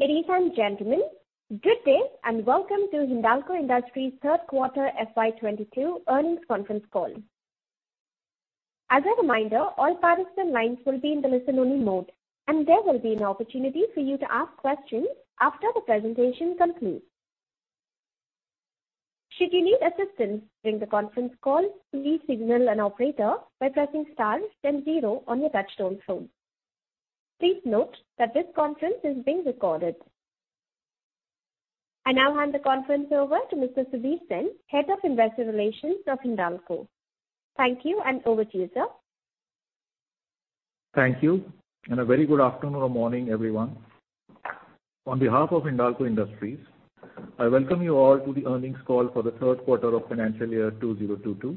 Ladies and gentlemen, good day and welcome to Hindalco Industries third quarter FY 2022 earnings conference call. As a reminder, all participant lines will be in the listen-only mode, and there will be an opportunity for you to ask questions after the presentation concludes. Should you need assistance during the conference call, please signal an operator by pressing star then zero on your touch-tone phone. Please note that this conference is being recorded. I now hand the conference over to Mr. Subir Sen, Head of Investor Relations of Hindalco. Thank you, and over to you, sir. Thank you, and a very good afternoon or morning, everyone. On behalf of Hindalco Industries, I welcome you all to the earnings call for the third quarter of financial year 2022.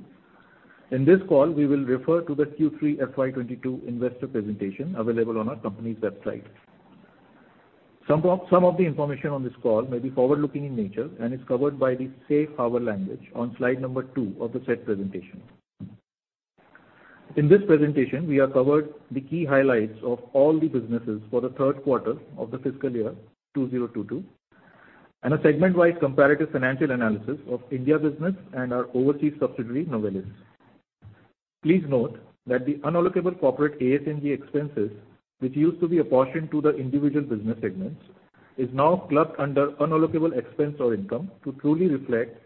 In this call, we will refer to the Q3 FY 2022 investor presentation available on our company's website. Some of the information on this call may be forward-looking in nature and is covered by the safe harbor language on slide number two of the said presentation. In this presentation, we have covered the key highlights of all the businesses for the third quarter of the fiscal year 2022, and a segment-wide comparative financial analysis of India business and our overseas subsidiary, Novelis. Please note that the unallocable corporate SG&A expenses, which used to be apportioned to the individual business segments, is now clubbed under unallocable expense or income to truly reflect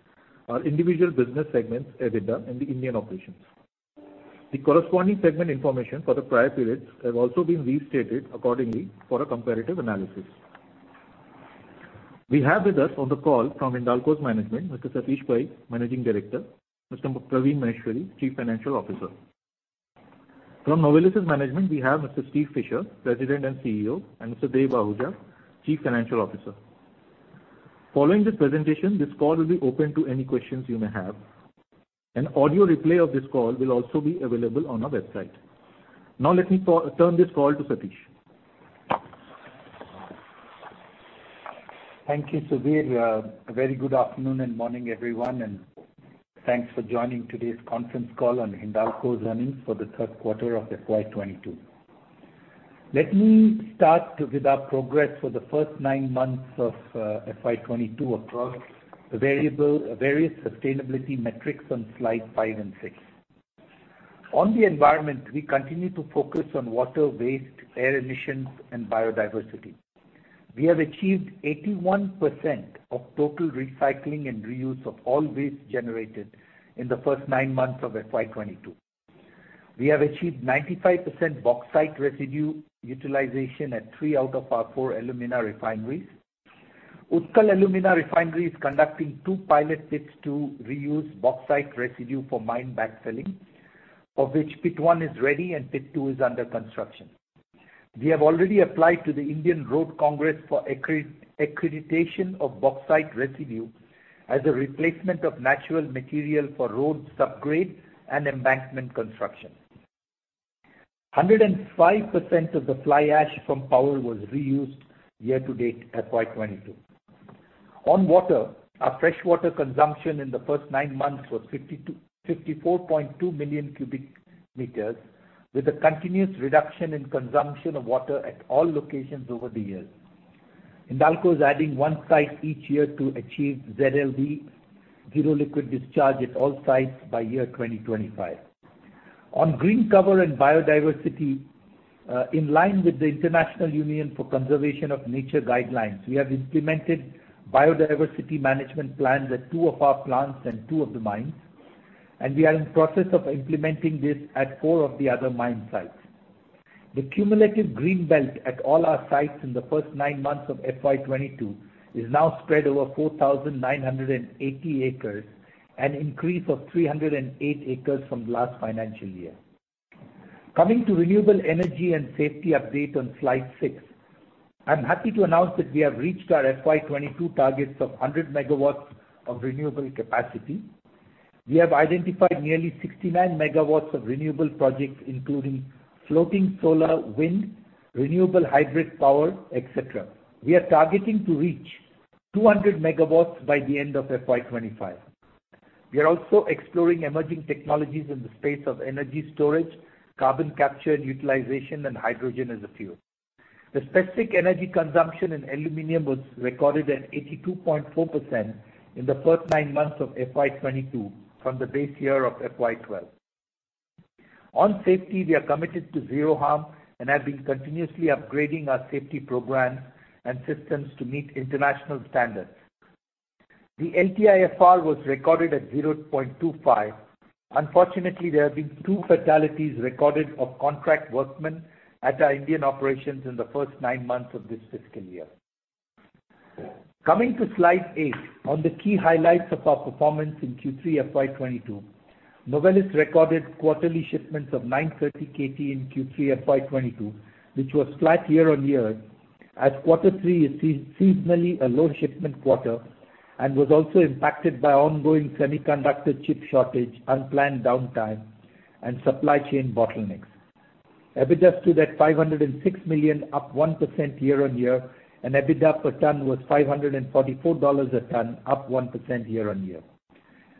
our individual business segments, EBITDA, and the Indian operations. The corresponding segment information for the prior periods have also been restated accordingly for a comparative analysis. We have with us on the call from Hindalco's management, Mr. Satish Pai, Managing Director, Mr. Praveen Maheshwari, Chief Financial Officer. From Novelis's management, we have Mr. Steve Fisher, President and CEO, and Mr. Dev Ahuja, Chief Financial Officer. Following this presentation, this call will be open to any questions you may have. An audio replay of this call will also be available on our website. Now let me turn this call to Satish. Thank you, Subir. A very good afternoon and morning, everyone, and thanks for joining today's conference call on Hindalco's earnings for the third quarter of FY 2022. Let me start with our progress for the first nine months of FY 2022 across the various sustainability metrics on slide five and six. On the environment, we continue to focus on water, waste, air emissions and biodiversity. We have achieved 81% of total recycling and reuse of all waste generated in the first nine months of FY 2022. We have achieved 95% bauxite residue utilization at three out of our four alumina refineries. Utkal Alumina Refinery is conducting two pilot pits to reuse bauxite residue for mine backfilling, of which pit one is ready and pit two is under construction. We have already applied to the Indian Roads Congress for accreditation of bauxite residue as a replacement of natural material for road subgrade and embankment construction. 105% of the fly ash from power was reused year to date FY 2022. On water, our fresh water consumption in the first nine months was 54.2 million cubic meters, with a continuous reduction in consumption of water at all locations over the years. Hindalco is adding one site each year to achieve ZLD, zero liquid discharge, at all sites by 2025. On green cover and biodiversity, in line with the International Union for Conservation of Nature guidelines, we have implemented biodiversity management plans at two of our plants and two of the mines, and we are in process of implementing this at four of the other mine sites. The cumulative green belt at all our sites in the first nine months of FY 2022 is now spread over 4,980 acres, an increase of 308 acres from last financial year. Coming to renewable energy and safety update on slide six. I'm happy to announce that we have reached our FY 2022 targets of 100 MW of renewable capacity. We have identified nearly 69 MW of renewable projects, including floating solar, wind, renewable hybrid power, et cetera. We are targeting to reach 200 MW by the end of FY 2025. We are also exploring emerging technologies in the space of energy storage, carbon capture and utilization, and hydrogen as a fuel. The specific energy consumption in aluminum was recorded at 82.4% in the first nine months of FY 2022 from the base year of FY 2012. On safety, we are committed to zero harm and have been continuously upgrading our safety programs and systems to meet international standards. The LTIFR was recorded at 0.25. Unfortunately, there have been two fatalities recorded of contract workmen at our Indian operations in the first nine months of this fiscal year. Coming to slide eight. On the key highlights of our performance in Q3 FY 2022, Novelis recorded quarterly shipments of 930 KT in Q3 FY 2022, which was flat year-on-year as quarter three is seasonally a low shipment quarter and was also impacted by ongoing semiconductor chip shortage, unplanned downtime, and supply chain bottlenecks. EBITDA stood at $506 million, up 1% year-over-year, and EBITDA per ton was $544 a ton, up 1% year-over-year.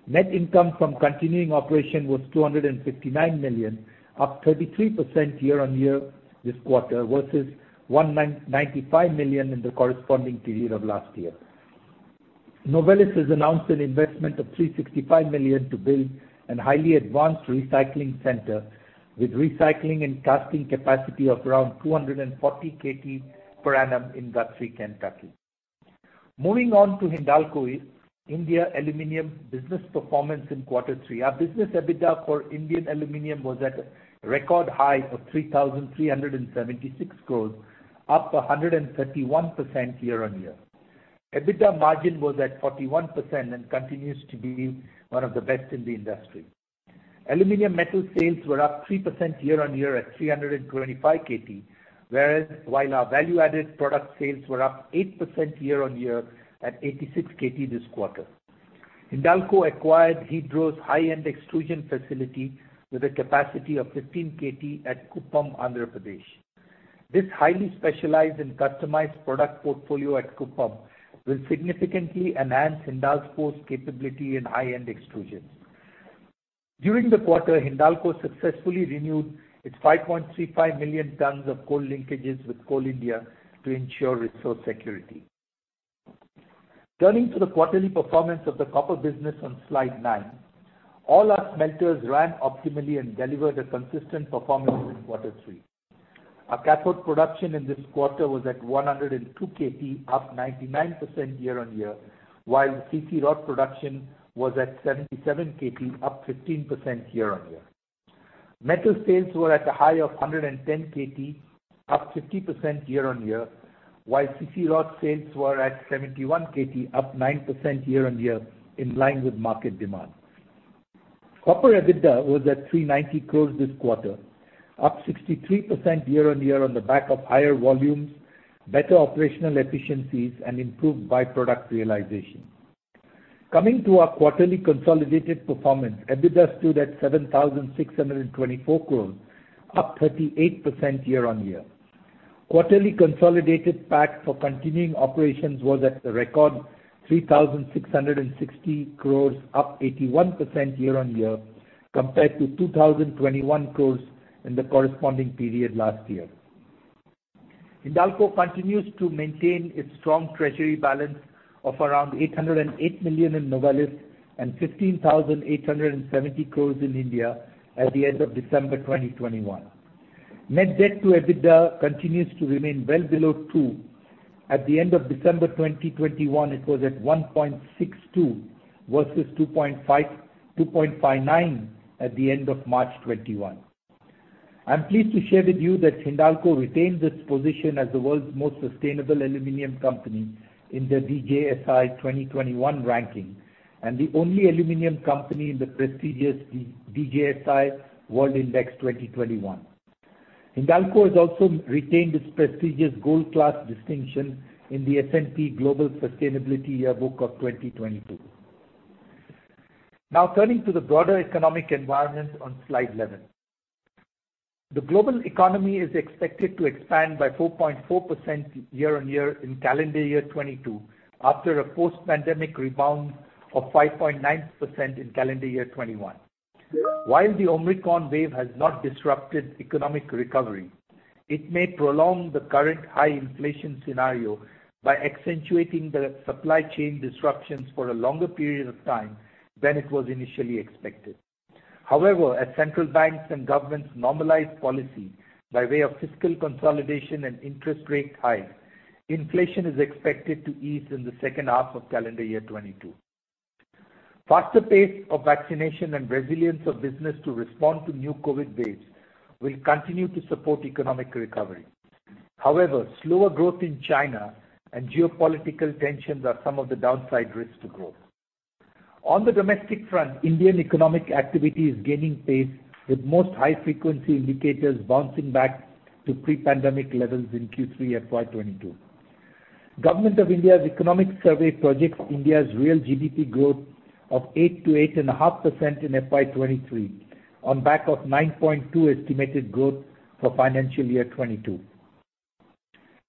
Net income from continuing operations was $259 million, up 33% year-over-year this quarter versus $195 million in the corresponding period of last year. Novelis has announced an investment of $365 million to build a highly advanced recycling center with recycling and casting capacity of around 240 KT per annum in Guthrie, Kentucky. Moving on to Hindalco India Aluminium business performance in quarter three. Our business EBITDA for Indian Aluminum was at a record high of 3,376 crores, up 131% year-over-year. EBITDA margin was at 41% and continues to be one of the best in the industry. Aluminum metal sales were up 3% year-over-year at 325 KT. While our value-added product sales were up 8% year-over-year at 86 KT this quarter. Hindalco acquired Hydro's high-end extrusion facility with a capacity of 15 KT at Kuppam, Andhra Pradesh. This highly specialized and customized product portfolio at Kuppam will significantly enhance Hindalco's capability in high-end extrusions. During the quarter, Hindalco successfully renewed its 5.35 million tons of coal linkages with Coal India to ensure resource security. Turning to the quarterly performance of the copper business on slide nine. All our smelters ran optimally and delivered a consistent performance in quarter three. Our cathode production in this quarter was at 102 KT, up 99% year-over-year, while CC rod production was at 77 KT, up 15% year-over-year. Metal sales were at a high of 110 KT, up 50% year-on-year, while CC rod sales were at 71 KT, up 9% year-on-year in line with market demand. Copper EBITDA was at 390 crores this quarter, up 63% year-on-year on the back of higher volumes, better operational efficiencies, and improved by-product realization. Coming to our quarterly consolidated performance, EBITDA stood at 7,624 crores, up 38% year-on-year. Quarterly consolidated PAT for continuing operations was at a record 3,660 crores, up 81% year-on-year compared to 2,021 crores in the corresponding period last year. Hindalco continues to maintain its strong treasury balance of around $808 million in Novelis and 15,870 crores in India at the end of December 2021. Net debt to EBITDA continues to remain well below two. At the end of December 2021, it was at 1.62 versus 2.59 at the end of March 2021. I'm pleased to share with you that Hindalco retained its position as the world's most sustainable aluminum company in the DJSI 2021 ranking and the only aluminum company in the prestigious DJSI World Index 2021. Hindalco has also retained its prestigious gold class distinction in the S&P Global Sustainability Yearbook of 2022. Now turning to the broader economic environment on slide 11. The global economy is expected to expand by 4.4% year-on-year in calendar year 2022 after a post-pandemic rebound of 5.9% in calendar year 2021. While the Omicron wave has not disrupted economic recovery, it may prolong the current high inflation scenario by accentuating the supply chain disruptions for a longer period of time than it was initially expected. However, as central banks and governments normalize policy by way of fiscal consolidation and interest rate hikes, inflation is expected to ease in the second half of calendar year 2022. Faster pace of vaccination and resilience of business to respond to new COVID waves will continue to support economic recovery. However, slower growth in China and geopolitical tensions are some of the downside risks to growth. On the domestic front, Indian economic activity is gaining pace, with most high-frequency indicators bouncing back to pre-pandemic levels in Q3 FY 2022. Government of India's economic survey projects India's real GDP growth of 8%-8.5% in FY 2023 on back of 9.2% estimated growth for financial year 2022.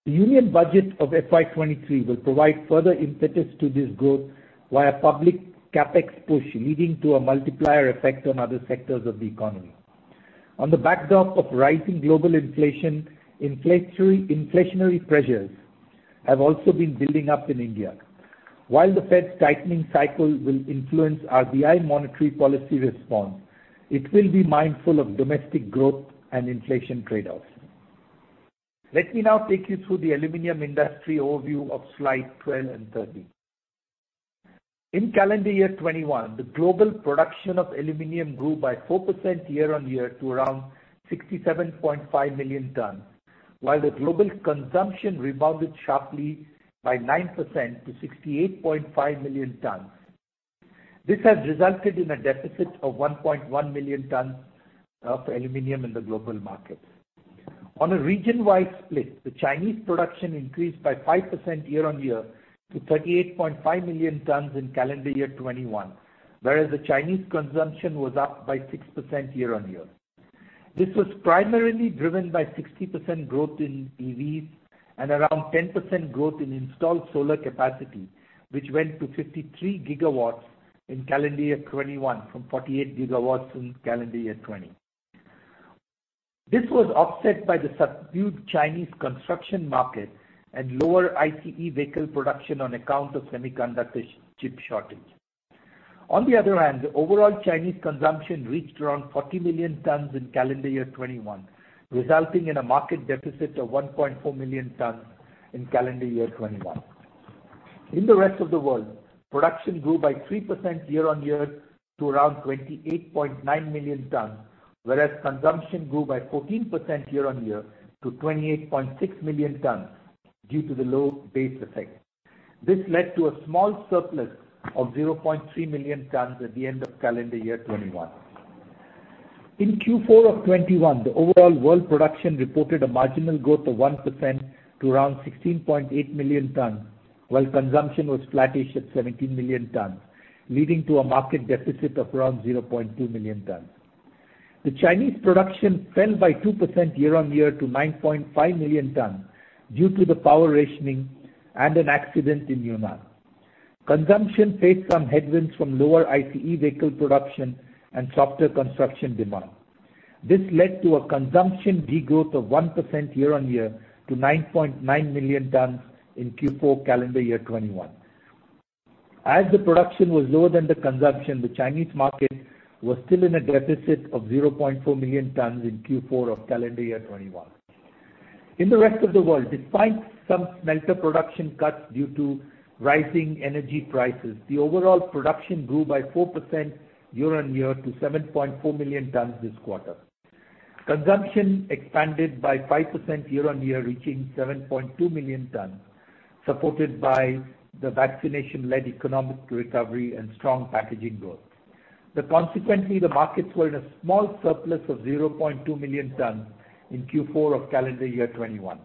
The Union Budget of FY 2023 will provide further impetus to this growth via public CapEx push, leading to a multiplier effect on other sectors of the economy. On the backdrop of rising global inflation, inflationary pressures have also been building up in India. While the Fed tightening cycle will influence RBI monetary policy response, it will be mindful of domestic growth and inflation trade-offs. Let me now take you through the aluminum industry overview of slide 12 and 13. In calendar year 2021, the global production of aluminum grew by 4% year-on-year to around 67.5 million tons, while the global consumption rebounded sharply by 9% to 68.5 million tons. This has resulted in a deficit of 1.1 million tons of aluminum in the global market. On a region-wide split, the Chinese production increased by 5% year-on-year to 38.5 million tons in calendar year 2021, whereas the Chinese consumption was up by 6% year-on-year. This was primarily driven by 60% growth in EVs and around 10% growth in installed solar capacity, which went to 53 GW in calendar year 2021 from 48 GW in calendar year 2020. This was offset by the subdued Chinese construction market and lower ICE vehicle production on account of semiconductor chip shortage. On the other hand, the overall Chinese consumption reached around 40 million tons in calendar year 2021, resulting in a market deficit of 1.4 million tons in calendar year 2021. In the rest of the world, production grew by 3% year-on-year to around 28.9 million tons, whereas consumption grew by 14% year-on-year to 28.6 million tons due to the low base effect. This led to a small surplus of 0.3 million tons at the end of calendar year 2021. In Q4 of 2021, the overall world production reported a marginal growth of 1% to around 16.8 million tons, while consumption was flattish at 17 million tons, leading to a market deficit of around 0.2 million tons. Chinese production fell by 2% year-on-year to 9.5 million tons due to the power rationing and an accident in Yunnan. Consumption faced some headwinds from lower ICE vehicle production and softer construction demand. This led to a consumption de-growth of 1% year-on-year to 9.9 million tons in Q4 calendar year 2021. As the production was lower than the consumption, the Chinese market was still in a deficit of 0.4 million tons in Q4 of calendar year 2021. In the rest of the world, despite some smelter production cuts due to rising energy prices, the overall production grew by 4% year-on-year to 7.4 million tons this quarter. Consumption expanded by 5% year-on-year, reaching 7.2 million tons, supported by the vaccination-led economic recovery and strong packaging growth. Consequently, the markets were in a small surplus of 0.2 million tons in Q4 of calendar year 2021.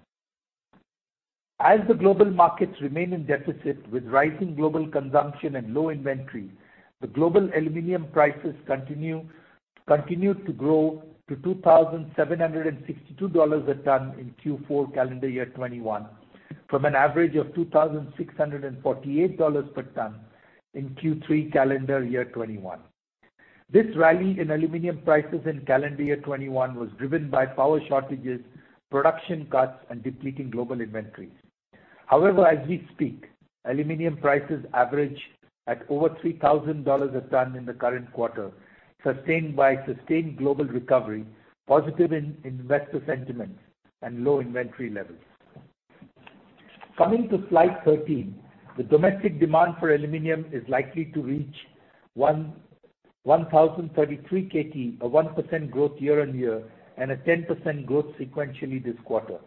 As the global markets remain in deficit with rising global consumption and low inventory, the global aluminum prices continued to grow to $2,762 a ton in Q4 calendar year 2021 from an average of $2,648 per ton in Q3 calendar year 2021. This rally in aluminum prices in calendar year 2021 was driven by power shortages, production cuts, and depleting global inventories. However, as we speak, aluminum prices average at over $3,000 a ton in the current quarter, sustained by global recovery, positive investor sentiment, and low inventory levels. Coming to slide 13, the domestic demand for aluminum is likely to reach 1,033 KT, a 1% growth year-over-year and a 10% growth sequentially this quarter.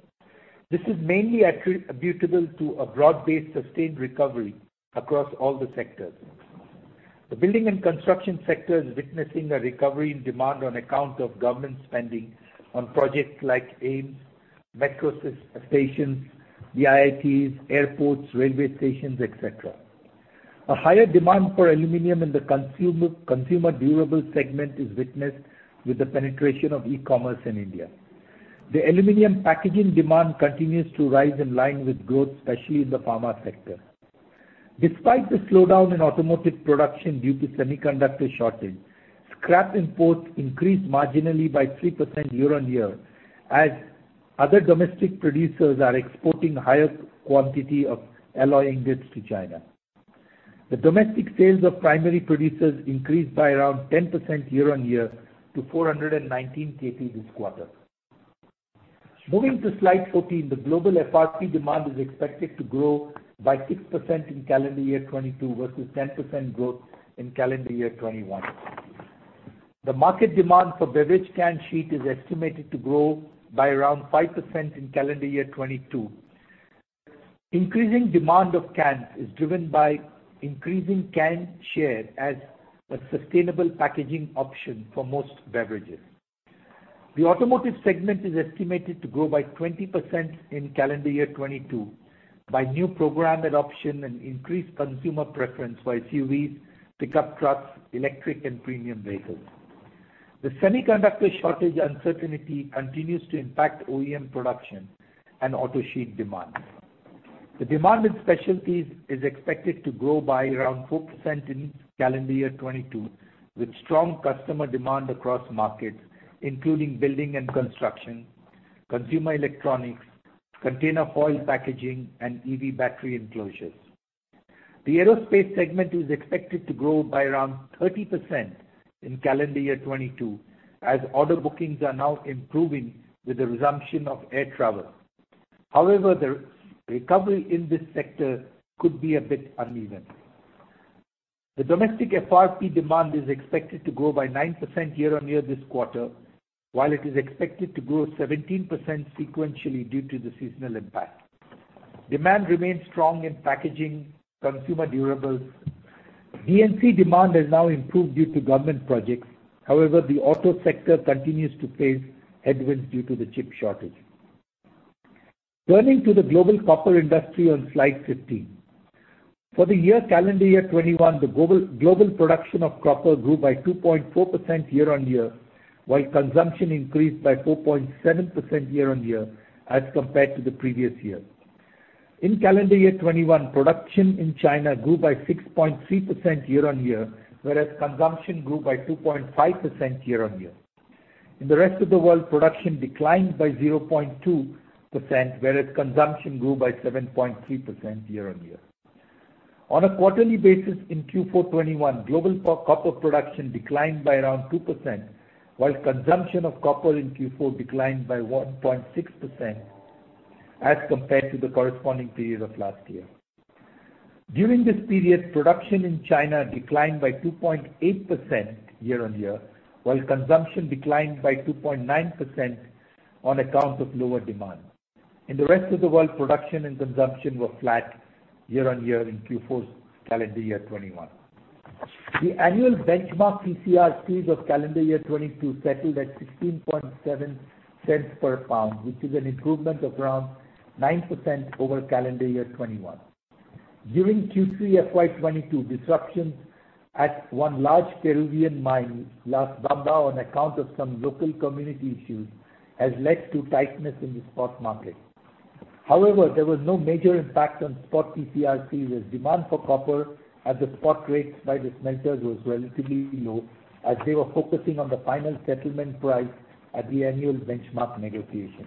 This is mainly attributable to a broad-based sustained recovery across all the sectors. The building and construction sector is witnessing a recovery in demand on account of government spending on projects like AIIMS, metro stations, the IITs, airports, railway stations, et cetera. A higher demand for aluminum in the consumer durable segment is witnessed with the penetration of e-commerce in India. The aluminum packaging demand continues to rise in line with growth, especially in the pharma sector. Despite the slowdown in automotive production due to semiconductor shortage, scrap imports increased marginally by 3% year-over-year, as other domestic producers are exporting higher quantity of alloy ingots to China. The domestic sales of primary producers increased by around 10% year-on-year to 419 KT this quarter. Moving to slide 14, the global FRP demand is expected to grow by 6% in calendar year 2022 versus 10% growth in calendar year 2021. The market demand for beverage can sheet is estimated to grow by around 5% in calendar year 2022. Increasing demand of cans is driven by increasing can share as a sustainable packaging option for most beverages. The automotive segment is estimated to grow by 20% in calendar year 2022 by new program adoption and increased consumer preference for SUVs, pickup trucks, electric and premium vehicles. The semiconductor shortage uncertainty continues to impact OEM production and auto sheet demand. The demand in specialties is expected to grow by around 4% in calendar year 2022, with strong customer demand across markets, including building and construction, consumer electronics, container foil packaging, and EV battery enclosures. The aerospace segment is expected to grow by around 30% in calendar year 2022, as order bookings are now improving with the resumption of air travel. However, the recovery in this sector could be a bit uneven. The domestic FRP demand is expected to grow by 9% year-on-year this quarter, while it is expected to grow 17% sequentially due to the seasonal impact. Demand remains strong in packaging, consumer durables. D&C demand has now improved due to government projects. However, the auto sector continues to face headwinds due to the chip shortage. Turning to the global copper industry on slide 15. For the year calendar year 2021, the global production of copper grew by 2.4% year-on-year, while consumption increased by 4.7% year-on-year as compared to the previous year. In calendar year 2021, production in China grew by 6.3% year-on-year, whereas consumption grew by 2.5% year-on-year. In the rest of the world, production declined by 0.2%, whereas consumption grew by 7.3% year-on-year. On a quarterly basis in Q4 2021, global copper production declined by around 2%, while consumption of copper in Q4 declined by 1.6% as compared to the corresponding period of last year. During this period, production in China declined by 2.8% year-on-year, while consumption declined by 2.9% on account of lower demand. In the rest of the world, production and consumption were flat year-on-year in Q4 calendar year 2021. The annual benchmark TC/RCs of calendar year 2022 settled at $0.167 per pound, which is an improvement of around 9% over calendar year 2021. During Q3 FY 2022, disruptions at one large Peruvian mine, Las Bambas, on account of some local community issues has led to tightness in the spot market. However, there was no major impact on spot TC/RCs as demand for copper at the spot rates by the smelters was relatively low, as they were focusing on the final settlement price at the annual benchmark negotiation.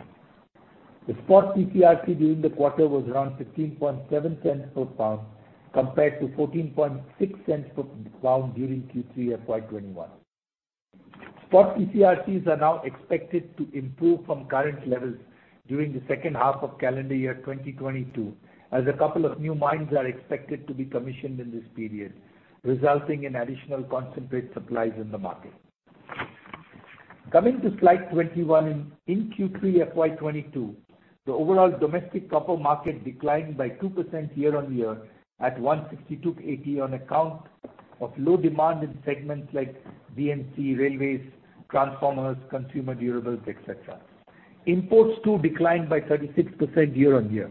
The spot TC/RC during the quarter was around $0.157 per pound, compared to $0.146 per pound during Q3 FY 2021. Spot TC/RCs are now expected to improve from current levels during the second half of 2022, as a couple of new mines are expected to be commissioned in this period, resulting in additional concentrate supplies in the market. Coming to slide 21. In Q3 FY 2022, the overall domestic copper market declined by 2% year-on-year at 162.80 on account of low demand in segments like D&C, railways, transformers, consumer durables, etc. Imports too declined by 36% year-on-year.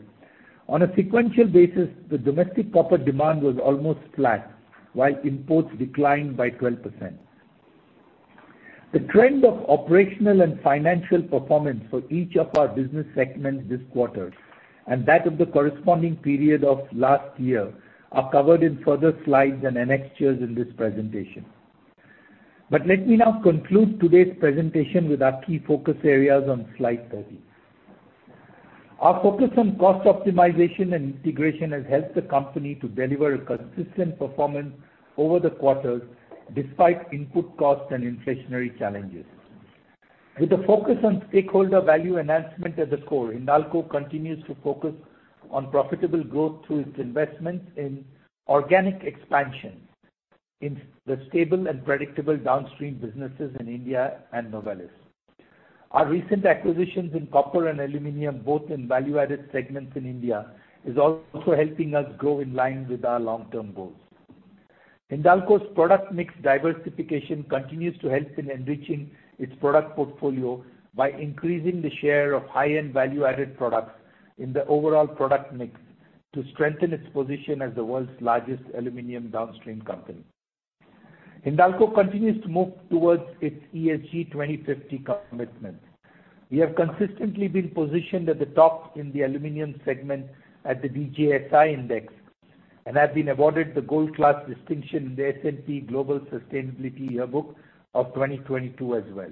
On a sequential basis, the domestic copper demand was almost flat, while imports declined by 12%. The trend of operational and financial performance for each of our business segments this quarter and that of the corresponding period of last year are covered in further slides and annexures in this presentation. Let me now conclude today's presentation with our key focus areas on slide 30. Our focus on cost optimization and integration has helped the company to deliver a consistent performance over the quarters despite input costs and inflationary challenges. With a focus on stakeholder value enhancement at the core, Hindalco continues to focus on profitable growth through its investments in organic expansion in the stable and predictable downstream businesses in India and Novelis. Our recent acquisitions in copper and aluminum, both in value-added segments in India, is also helping us grow in line with our long-term goals. Hindalco's product mix diversification continues to help in enriching its product portfolio by increasing the share of high-end value-added products in the overall product mix to strengthen its position as the world's largest aluminum downstream company. Hindalco continues to move towards its ESG 2050 commitment. We have consistently been positioned at the top in the aluminum segment at the DJSI index and have been awarded the gold class distinction in the S&P Global Sustainability Yearbook of 2022 as well.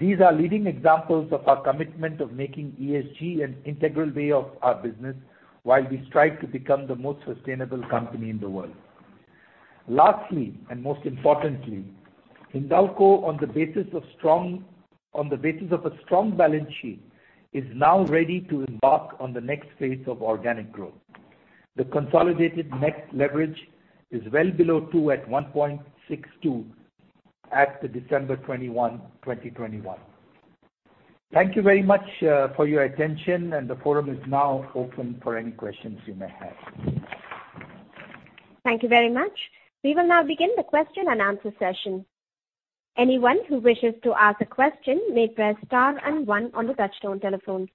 These are leading examples of our commitment of making ESG an integral way of our business while we strive to become the most sustainable company in the world. Lastly, and most importantly, Hindalco, on the basis of a strong balance sheet, is now ready to embark on the next phase of organic growth. The consolidated net leverage is well below two at 1.62 at December 21, 2021. Thank you very much for your attention, and the forum is now open for any questions you may have. Thank you very much. We will now begin the question-and-answer session. Anyone who wishes to ask a question may press star and one on the touchtone telephone.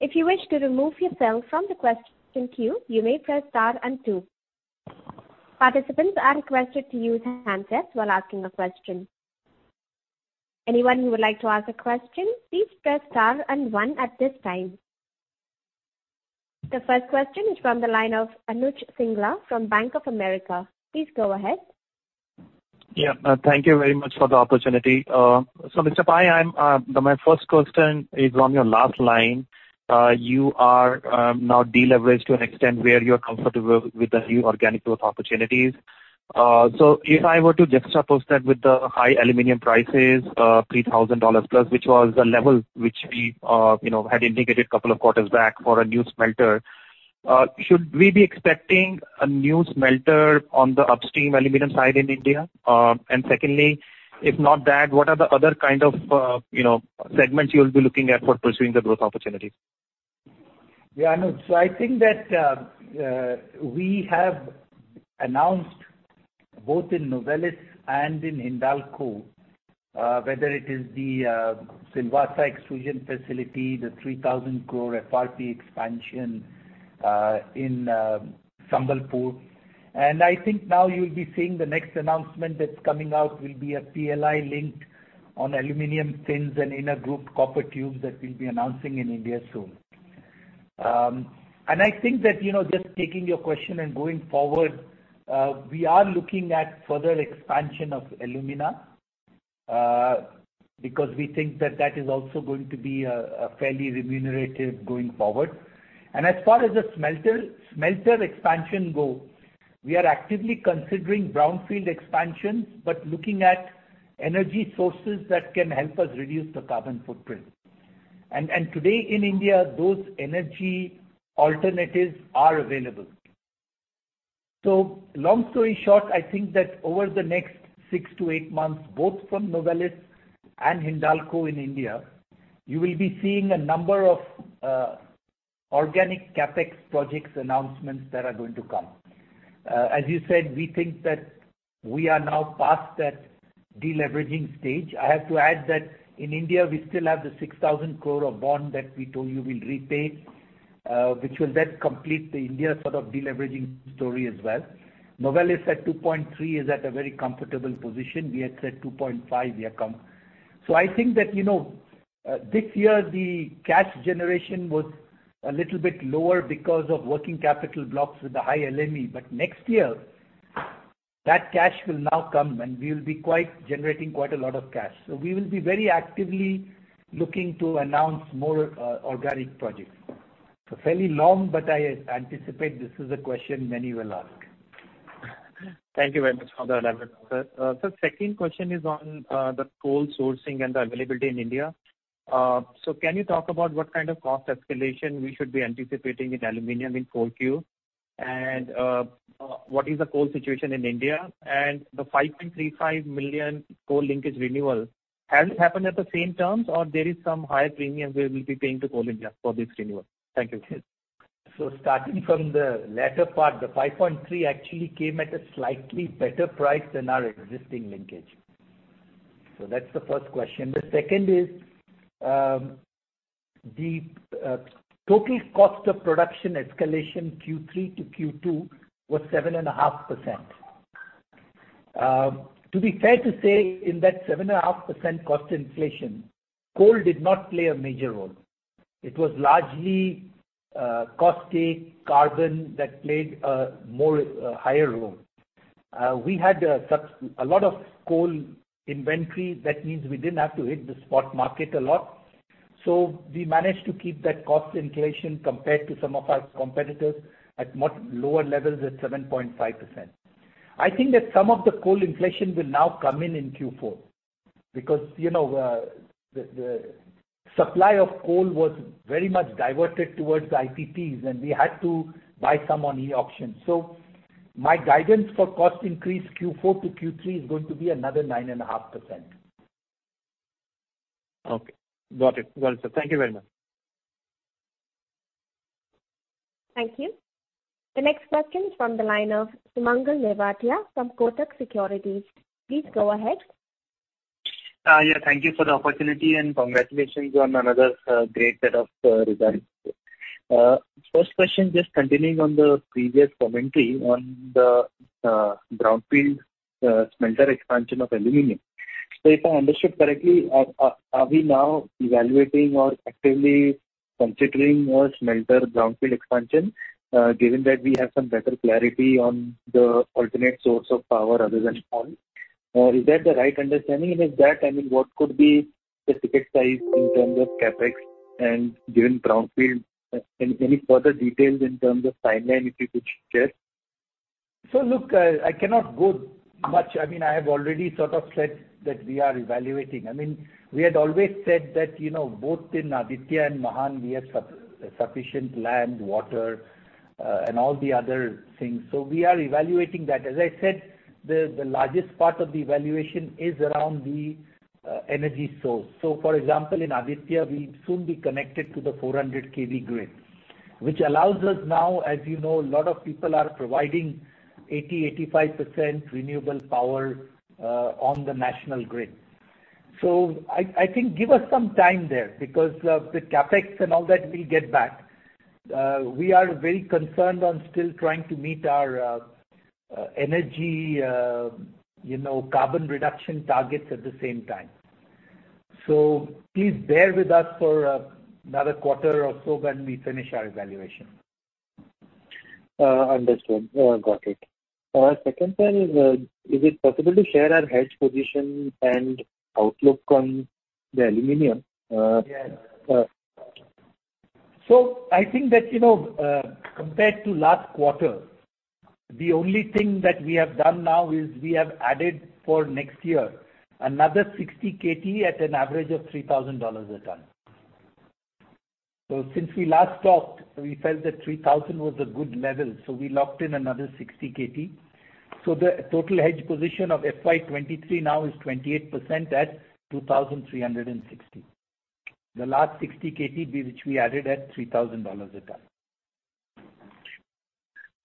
If you wish to remove yourself from the question queue, you may press star and two. Participants are requested to use handsets while asking a question. Anyone who would like to ask a question, please press star and one at this time. The first question is from the line of Anuj Singla from Bank of America. Please go ahead. Thank you very much for the opportunity. Mr. Pai, my first question is on your last line. You are now deleveraged to an extent where you're comfortable with the new organic growth opportunities. If I were to juxtapose that with the high aluminum prices, $3,000+, which was the level which we, you know, had indicated couple of quarters back for a new smelter, should we be expecting a new smelter on the upstream aluminum side in India? Secondly, if not that, what are the other kind of, you know, segments you'll be looking at for pursuing the growth opportunities? Yeah, Anuj. I think that we have announced both in Novelis and in Hindalco, whether it is the Silvassa extrusion facility, the 3,000 crore FRP expansion in Sambalpur. I think now you'll be seeing the next announcement that's coming out will be a PLI link on aluminum fins and inner grooved copper tubes that we'll be announcing in India soon. I think that, you know, just taking your question and going forward, we are looking at further expansion of alumina, because we think that that is also going to be a fairly remunerative going forward. As far as the smelter expansion go, we are actively considering brownfield expansions, but looking at energy sources that can help us reduce the carbon footprint. Today in India, those energy alternatives are available. Long story short, I think that over the next 6-8 months, both from Novelis and Hindalco in India, you will be seeing a number of organic CapEx projects announcements that are going to come. As you said, we think that we are now past that deleveraging stage. I have to add that in India we still have the 6,000 crore of bond that we told you we'll repay, which will then complete the India sort of deleveraging story as well. Novelis at 2.3 is at a very comfortable position. We had said 2.5x target. I think that, you know, this year the cash generation was a little bit lower because of working capital blocks with the high LME. Next year, that cash will now come, and we will be generating quite a lot of cash. We will be very actively looking to announce more organic projects. Fairly long, but I anticipate this is a question many will ask. Thank you very much for the elaborate answer. Sir, second question is on the coal sourcing and the availability in India. Can you talk about what kind of cost escalation we should be anticipating in aluminum in Q4? What is the coal situation in India? The 5.35 million coal linkage renewal, has it happened at the same terms or there is some higher premium we will be paying to Coal India for this renewal? Thank you. Starting from the latter part, the 5.3 actually came at a slightly better price than our existing linkage. That's the first question. The second is, the total cost of production escalation Q3 to Q2 was 7.5%. To be fair to say, in that 7.5% cost inflation, coal did not play a major role. It was largely caustic carbon that played a much higher role. We had a lot of coal inventory. That means we didn't have to hit the spot market a lot. We managed to keep that cost inflation compared to some of our competitors at much lower levels at 7.5%. I think that some of the coal inflation will now come in in Q4 because, you know, the supply of coal was very much diverted towards the IPPs, and we had to buy some on e-auction. My guidance for cost increase Q4 to Q3 is going to be another 9.5%. Okay. Got it, sir. Thank you very much. Thank you. The next question is from the line of Sumangal Nevatia from Kotak Securities. Please go ahead. Yeah, thank you for the opportunity and congratulations on another great set of results. First question, just continuing on the previous commentary on the brownfield smelter expansion of aluminum. So if I understood correctly, are we now evaluating or actively considering a smelter brownfield expansion, given that we have some better clarity on the alternate source of power other than coal? Is that the right understanding? I mean, what could be the ticket size in terms of CapEx and, given brownfield, any further details in terms of timeline, if you could share? Look, I cannot go much. I mean, I have already sort of said that we are evaluating. I mean, we had always said that, you know, both in Aditya and Mahan, we have sufficient land, water, and all the other things. We are evaluating that. As I said, the largest part of the evaluation is around the energy source. For example, in Aditya, we'll soon be connected to the 400 kV grid, which allows us now, as you know, a lot of people are providing 80%-85% renewable power on the national grid. I think give us some time there because the CapEx and all that we'll get back. We are very concerned on still trying to meet our energy, you know, carbon reduction targets at the same time. Please bear with us for another quarter or so when we finish our evaluation. Understood. Got it. Second one is it possible to share our hedge position and outlook on the aluminum? I think that, you know, compared to last quarter, the only thing that we have done now is we have added for next year another 60 KT at an average of $3,000 a ton. Since we last talked, we felt that 3,000 was a good level, so we locked in another 60 KT. The total hedge position of FY 2023 now is 28% at 2,360. The last 60 KT which we added at $3,000 a ton.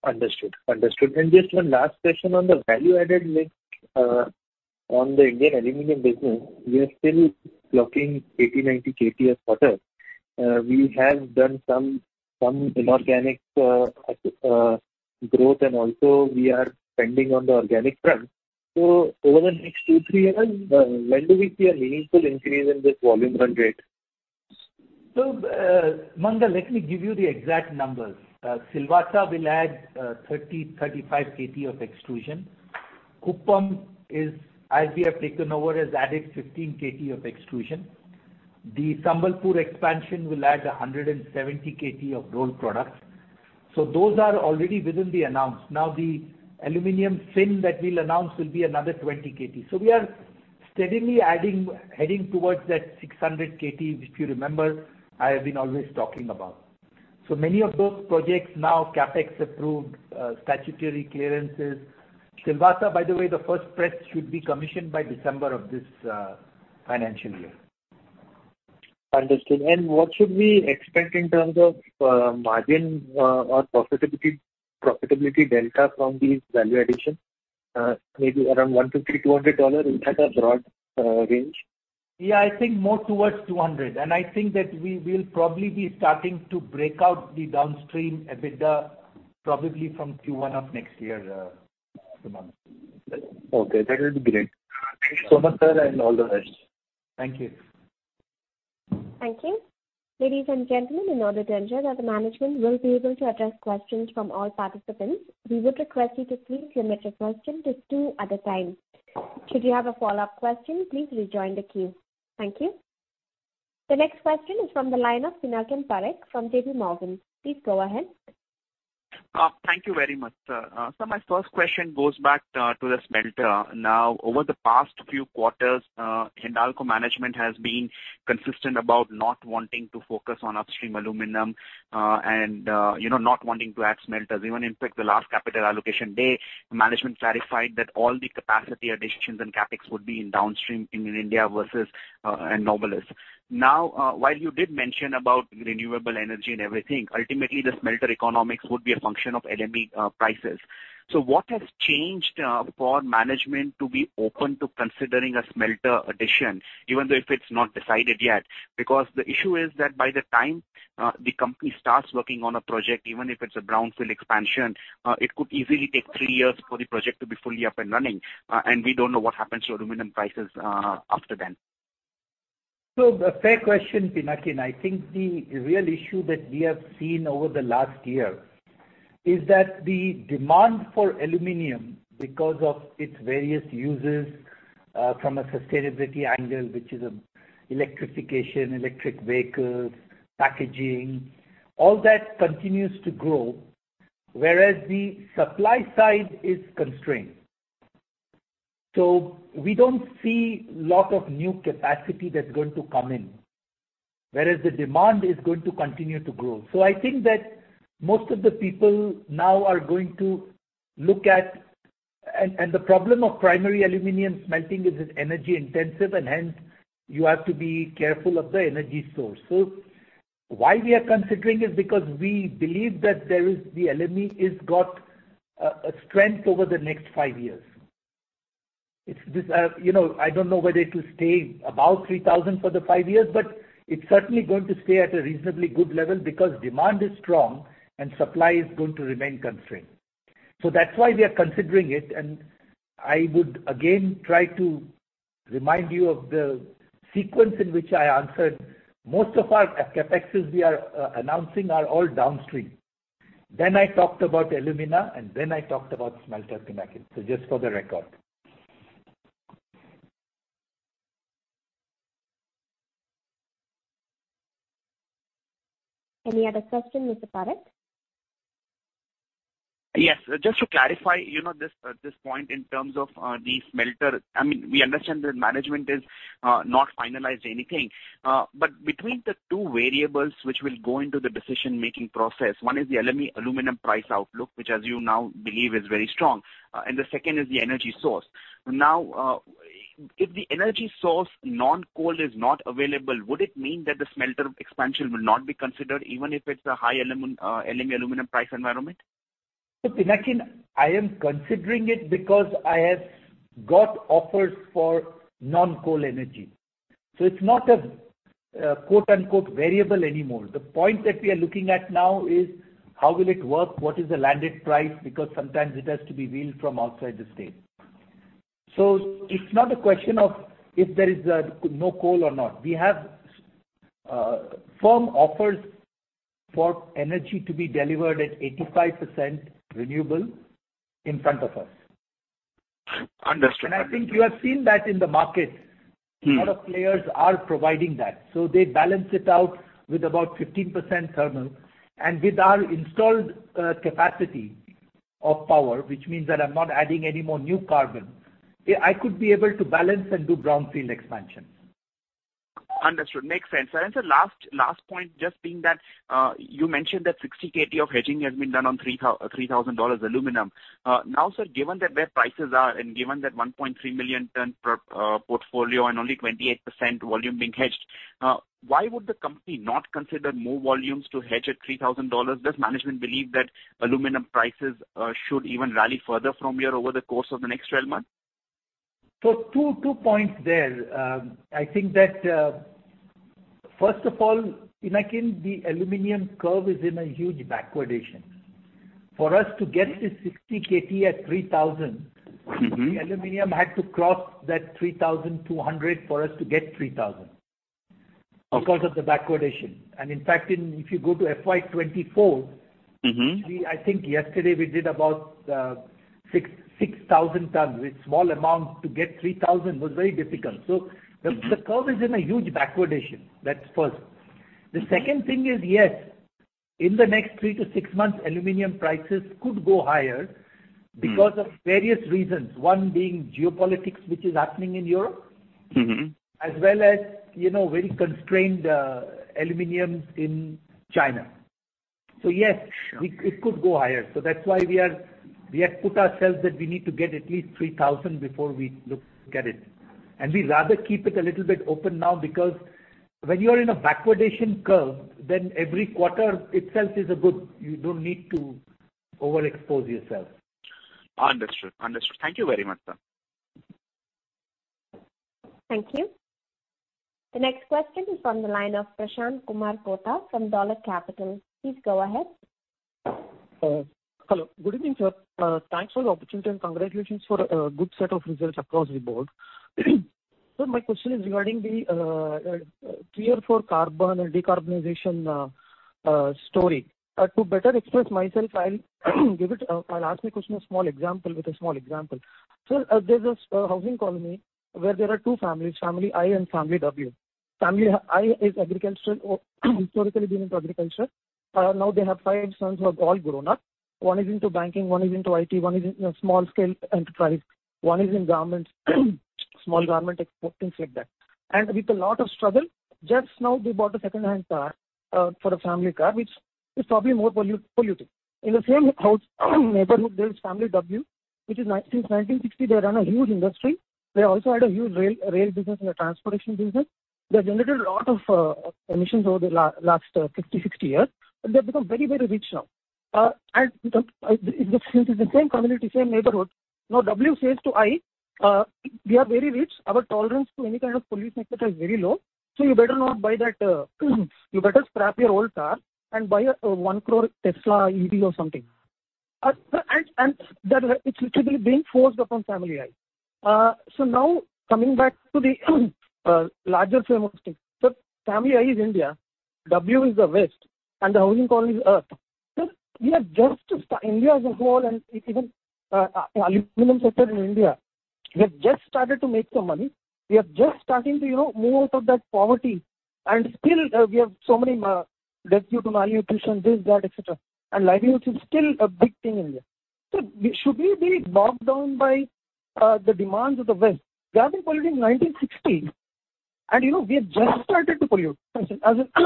Understood. Just one last question on the value-added mix on the Indian aluminum business. We are still clocking 80 KT-90 KT per quarter. We have done some inorganic growth, and we are spending on the organic front. Over the next 2-3 years, when do we see a meaningful increase in this volume run rate? Sumangal, let me give you the exact numbers. Silvassa will add 35 KT of extrusion. Kuppam, as we have taken over, has added 15 KT of extrusion. The Sambalpur expansion will add 170 KT of rolled products. Those are already within the announced. Now, the aluminum fin that we'll announce will be another 20 KT. We are steadily adding, heading towards that 600 KT, which you remember I have been always talking about. Many of those projects now CapEx approved, statutory clearances. Silvassa, by the way, the first press should be commissioned by December of this financial year. Understood. What should we expect in terms of, margin, or profitability delta from these value additions? Maybe around $150-$200. Is that a broad range? Yeah, I think more towards $200. I think that we will probably be starting to break out the downstream EBITDA probably from Q1 of next year, Sumangal Nevatia. Okay, that would be great. Thank you so much, sir, and all the best. Thank you. Thank you. Ladies and gentlemen, in order to ensure that the management will be able to address questions from all participants, we would request you to please limit your question to two at a time. Should you have a follow-up question, please rejoin the queue. Thank you. The next question is from the line of Pinakin Parekh from JP Morgan. Please go ahead. Thank you very much, sir. My first question goes back to the smelter. Now, over the past few quarters, Hindalco management has been consistent about not wanting to focus on upstream aluminum and you know, not wanting to add smelters. Even in fact, the last capital allocation day, management clarified that all the capacity additions and CapEx would be in downstream in India versus and Novelis. Now, while you did mention about renewable energy and everything, ultimately the smelter economics would be a function of LME prices. What has changed for management to be open to considering a smelter addition, even though if it's not decided yet? Because the issue is that by the time the company starts working on a project, even if it's a brownfield expansion, it could easily take three years for the project to be fully up and running, and we don't know what happens to aluminum prices after then. A fair question, Pinakin. I think the real issue that we have seen over the last year is that the demand for aluminum, because of its various uses, from a sustainability angle, which is electrification, electric vehicles, packaging, all that continues to grow, whereas the supply side is constrained. We don't see a lot of new capacity that's going to come in, whereas the demand is going to continue to grow. I think that most of the people now are going to look at the problem of primary aluminum smelting is it's energy intensive and hence you have to be careful of the energy source. Why we are considering is because we believe that the LME has got a strength over the next five years. It's this, you know, I don't know whether it will stay above 3,000 for the 5 years, but it's certainly going to stay at a reasonably good level because demand is strong and supply is going to remain constrained. That's why we are considering it. I would again try to remind you of the sequence in which I answered. Most of our CapExes we are announcing are all downstream. I talked about alumina, and then I talked about smelter, Pinakin. Just for the record. Any other question, Mr. Parekh? Yes. Just to clarify, you know, this point in terms of the smelter. I mean, we understand that management is not finalized anything. But between the two variables which will go into the decision-making process, one is the LME aluminum price outlook, which, as you now believe, is very strong, and the second is the energy source. Now, if the energy source non-coal is not available, would it mean that the smelter expansion will not be considered, even if it's a high LME aluminum price environment? Pinakin, I am considering it because I have got offers for non-coal energy. It's not a quote-unquote "variable" anymore. The point that we are looking at now is how will it work? What is the landed price? Because sometimes it has to be wheeled from outside the state. It's not a question of if there is no coal or not. We have firm offers for energy to be delivered at 85% renewable in front of us. Understood. I think you have seen that in the market. Mm. A lot of players are providing that. They balance it out with about 15% thermal. With our installed capacity of power, which means that I'm not adding any more new carbon, I could be able to balance and do brownfield expansion. Understood. Makes sense. Sir, last point just being that you mentioned that 60 KT of hedging has been done on $3,000 aluminum. Now, sir, given that their prices are and given that 1.3 million ton per portfolio and only 28% volume being hedged, why would the company not consider more volumes to hedge at $3,000? Does management believe that aluminum prices should even rally further from here over the course of the next 12 months? Two points there. I think that first of all, again, the aluminum curve is in a huge backwardation. For us to get this 60 KT at $3,000- Mm-hmm. Aluminum had to cross that $3,200 for us to get $3,000. Okay. Because of the backwardation. In fact, if you go to FY 2024- Mm-hmm. I think yesterday we did about 6,000 tons. With small amount to get $3,000 was very difficult. The curve is in a huge backwardation. That's first. Mm-hmm. The second thing is, yes, in the next 3-6 months, aluminum prices could go higher. Mm. Because of various reasons. One being geopolitics, which is happening in Europe. Mm-hmm. As well as, you know, very constrained aluminum in China. So yes. Sure. It could go higher. That's why we have put ourselves that we need to get at least $3,000 before we look at it. We rather keep it a little bit open now because when you are in a backwardation curve then every quarter itself is a good. You don't need to overexpose yourself. Understood. Thank you very much, sir. Thank you. The next question is from the line of Prashanth Kota from Dolat Capital. Please go ahead. Hello. Good evening, sir. Thanks for the opportunity and congratulations for a good set of results across the board. My question is regarding the Tier 4 carbon and decarbonization story. To better express myself, I'll ask the question with a small example. There's this housing colony where there are two families, Family I and Family W. Family I is agricultural or historically been into agriculture. Now they have five sons who have all grown up. One is into banking, one is into IT, one is in a small-scale enterprise, one is in garments, small garment export, things like that. With a lot of struggle, just now they bought a secondhand car for a family car, which is probably more polluting. In the same house neighborhood there is family W, which is 1990s, 1960. They run a huge industry. They also had a huge rail business and a transportation business. They generated a lot of emissions over the last 50, 60 years, and they have become very rich now. Since it's the same community, same neighborhood, now W says to I, "We are very rich. Our tolerance to any kind of pollution etc. is very low. You better not buy that. You better scrap your old car and buy a 1 crore Tesla EV or something." That it's literally being forced upon family I. Now coming back to the larger frame of things. Family I is India, W is the West, and the housing colony is Earth. India as a whole and even aluminum sector in India, we have just started to make some money. We are just starting to, you know, move out of that poverty. Still, we have so many deaths due to malnutrition, this, that, et cetera, and livelihoods is still a big thing in India. Should we be bogged down by the demands of the West? They have been polluting since 1960. You know, we have just started to pollute as a.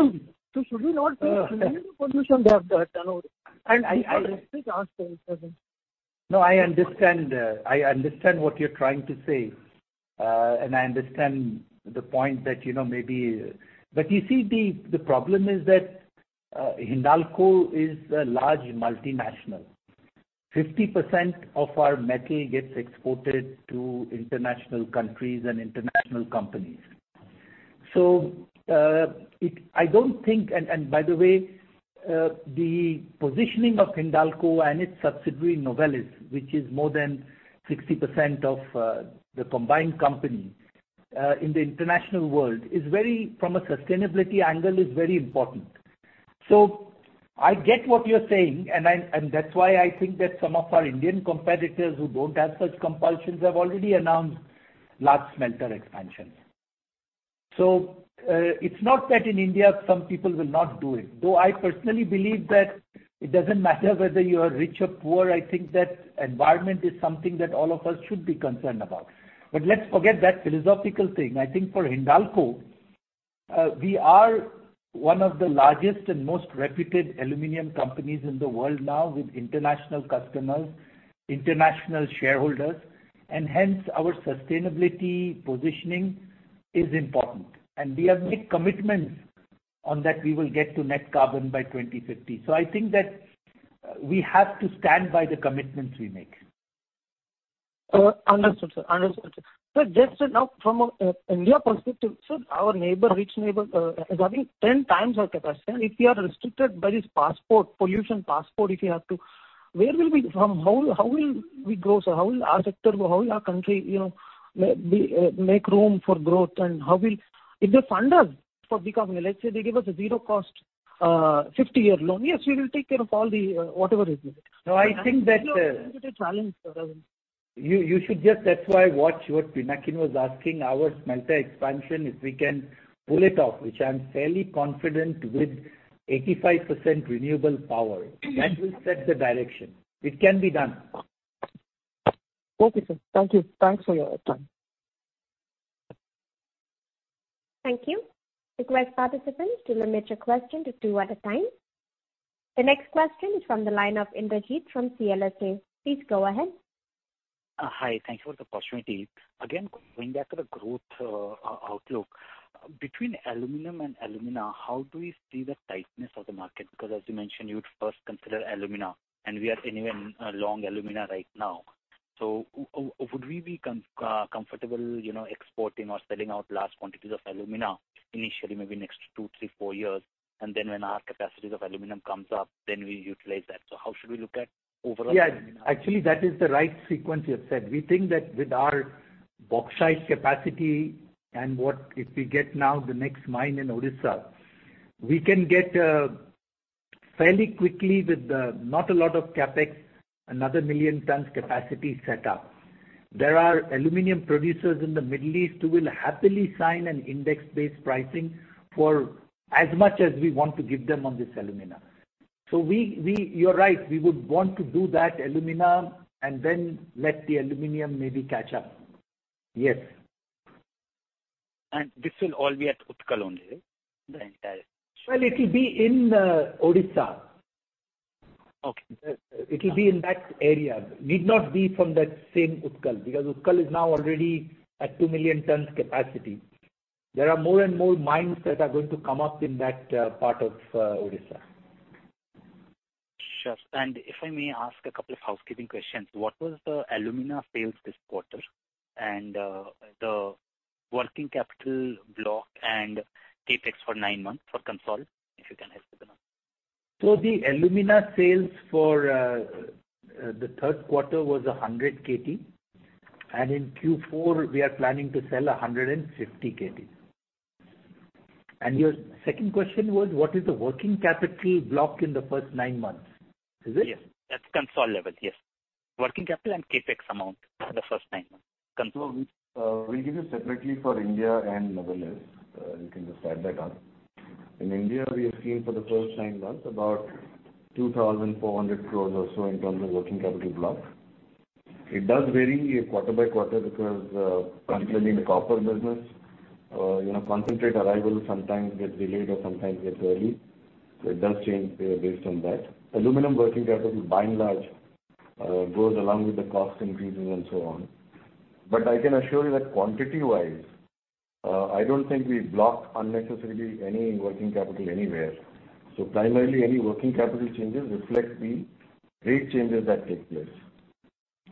Should we not say Uh. Consider the pollution they have done over the years? I Please answer this question. No, I understand what you're trying to say. I understand the point that, you know, maybe. But you see, the problem is that, Hindalco is a large multinational. 50% of our metal gets exported to international countries and international companies. I don't think. By the way, the positioning of Hindalco and its subsidiary, Novelis, which is more than 60% of the combined company, in the international world, is very important from a sustainability angle. I get what you're saying, and that's why I think that some of our Indian competitors who don't have such compulsions have already announced large smelter expansions. It's not that in India some people will not do it. Though I personally believe that it doesn't matter whether you are rich or poor, I think that environment is something that all of us should be concerned about. Let's forget that philosophical thing. I think for Hindalco, we are one of the largest and most reputed aluminum companies in the world now with international customers, international shareholders, and hence our sustainability positioning is important. We have made commitments on that we will get to net carbon by 2050. I think that we have to stand by the commitments we make. Understood, sir. Just now from an Indian perspective, sir, our rich neighbor is having 10 times of capacity. If we are restricted by this pollution passport, how will we grow, sir? How will our sector grow? How will our country, you know, make room for growth? If they fund us for becoming electric, they give us a zero cost 50-year loan. Yes, we will take care of all the whatever is needed. No, I think that. It's a little bit a challenge for us. You should just. That's why. Watch what Pinakin was asking. Our smelter expansion, if we can pull it off, which I'm fairly confident with 85% renewable power. Mm-hmm. That will set the direction. It can be done. Okay, sir. Thank you. Thanks for your time. Thank you. Request participants to limit your question to two at a time. The next question is from the line of Indrajit Agarwal from CLSA. Please go ahead. Hi. Thank you for the opportunity. Again, going back to the growth, outlook. Between aluminum and alumina, how do you see the tightness of the market? Because as you mentioned, you would first consider alumina, and we are anyway in a long alumina right now. Would we be comfortable, you know, exporting or selling out large quantities of alumina initially, maybe next 2, 3, 4 years, and then when our capacities of aluminum comes up, then we utilize that. How should we look at overall- Yeah. Actually, that is the right sequence you have said. We think that with our bauxite capacity and what if we get now the next mine in Odisha, we can get fairly quickly with not a lot of CapEx, another 1 million tons capacity set up. There are aluminum producers in the Middle East who will happily sign an index-based pricing for as much as we want to give them on this alumina. So, you're right, we would want to do that alumina and then let the aluminum maybe catch up. Yes. This will all be at Utkal only, the entire Well, it'll be in Odisha. Okay. It'll be in that area. Need not be from that same Utkal, because Utkal is now already at 2 million tons capacity. There are more and more mines that are going to come up in that part of Odisha. Sure. If I may ask a couple of housekeeping questions. What was the alumina sales this quarter? The working capital block and CapEx for nine months for consolidated, if you can help with the numbers. The alumina sales for the third quarter was 100 KT. In Q4, we are planning to sell 150 KT. Your second question was what is the working capital block in the first nine months. Is it? Yes. At Consol level. Yes. Working capital and CapEx amount for the first nine months, Consol. We'll give you separately for India and Novelis. You can just add that up. In India, we have seen for the first nine months about 2,400 crores or so in terms of working capital block. It does vary quarter by quarter because, particularly in the copper business, you know, concentrate arrival sometimes gets delayed or sometimes gets early. It does change based on that. Aluminum working capital by and large goes along with the cost increases and so on. I can assure you that quantity wise, I don't think we block unnecessarily any working capital anywhere. Primarily, any working capital changes reflect the rate changes that take place.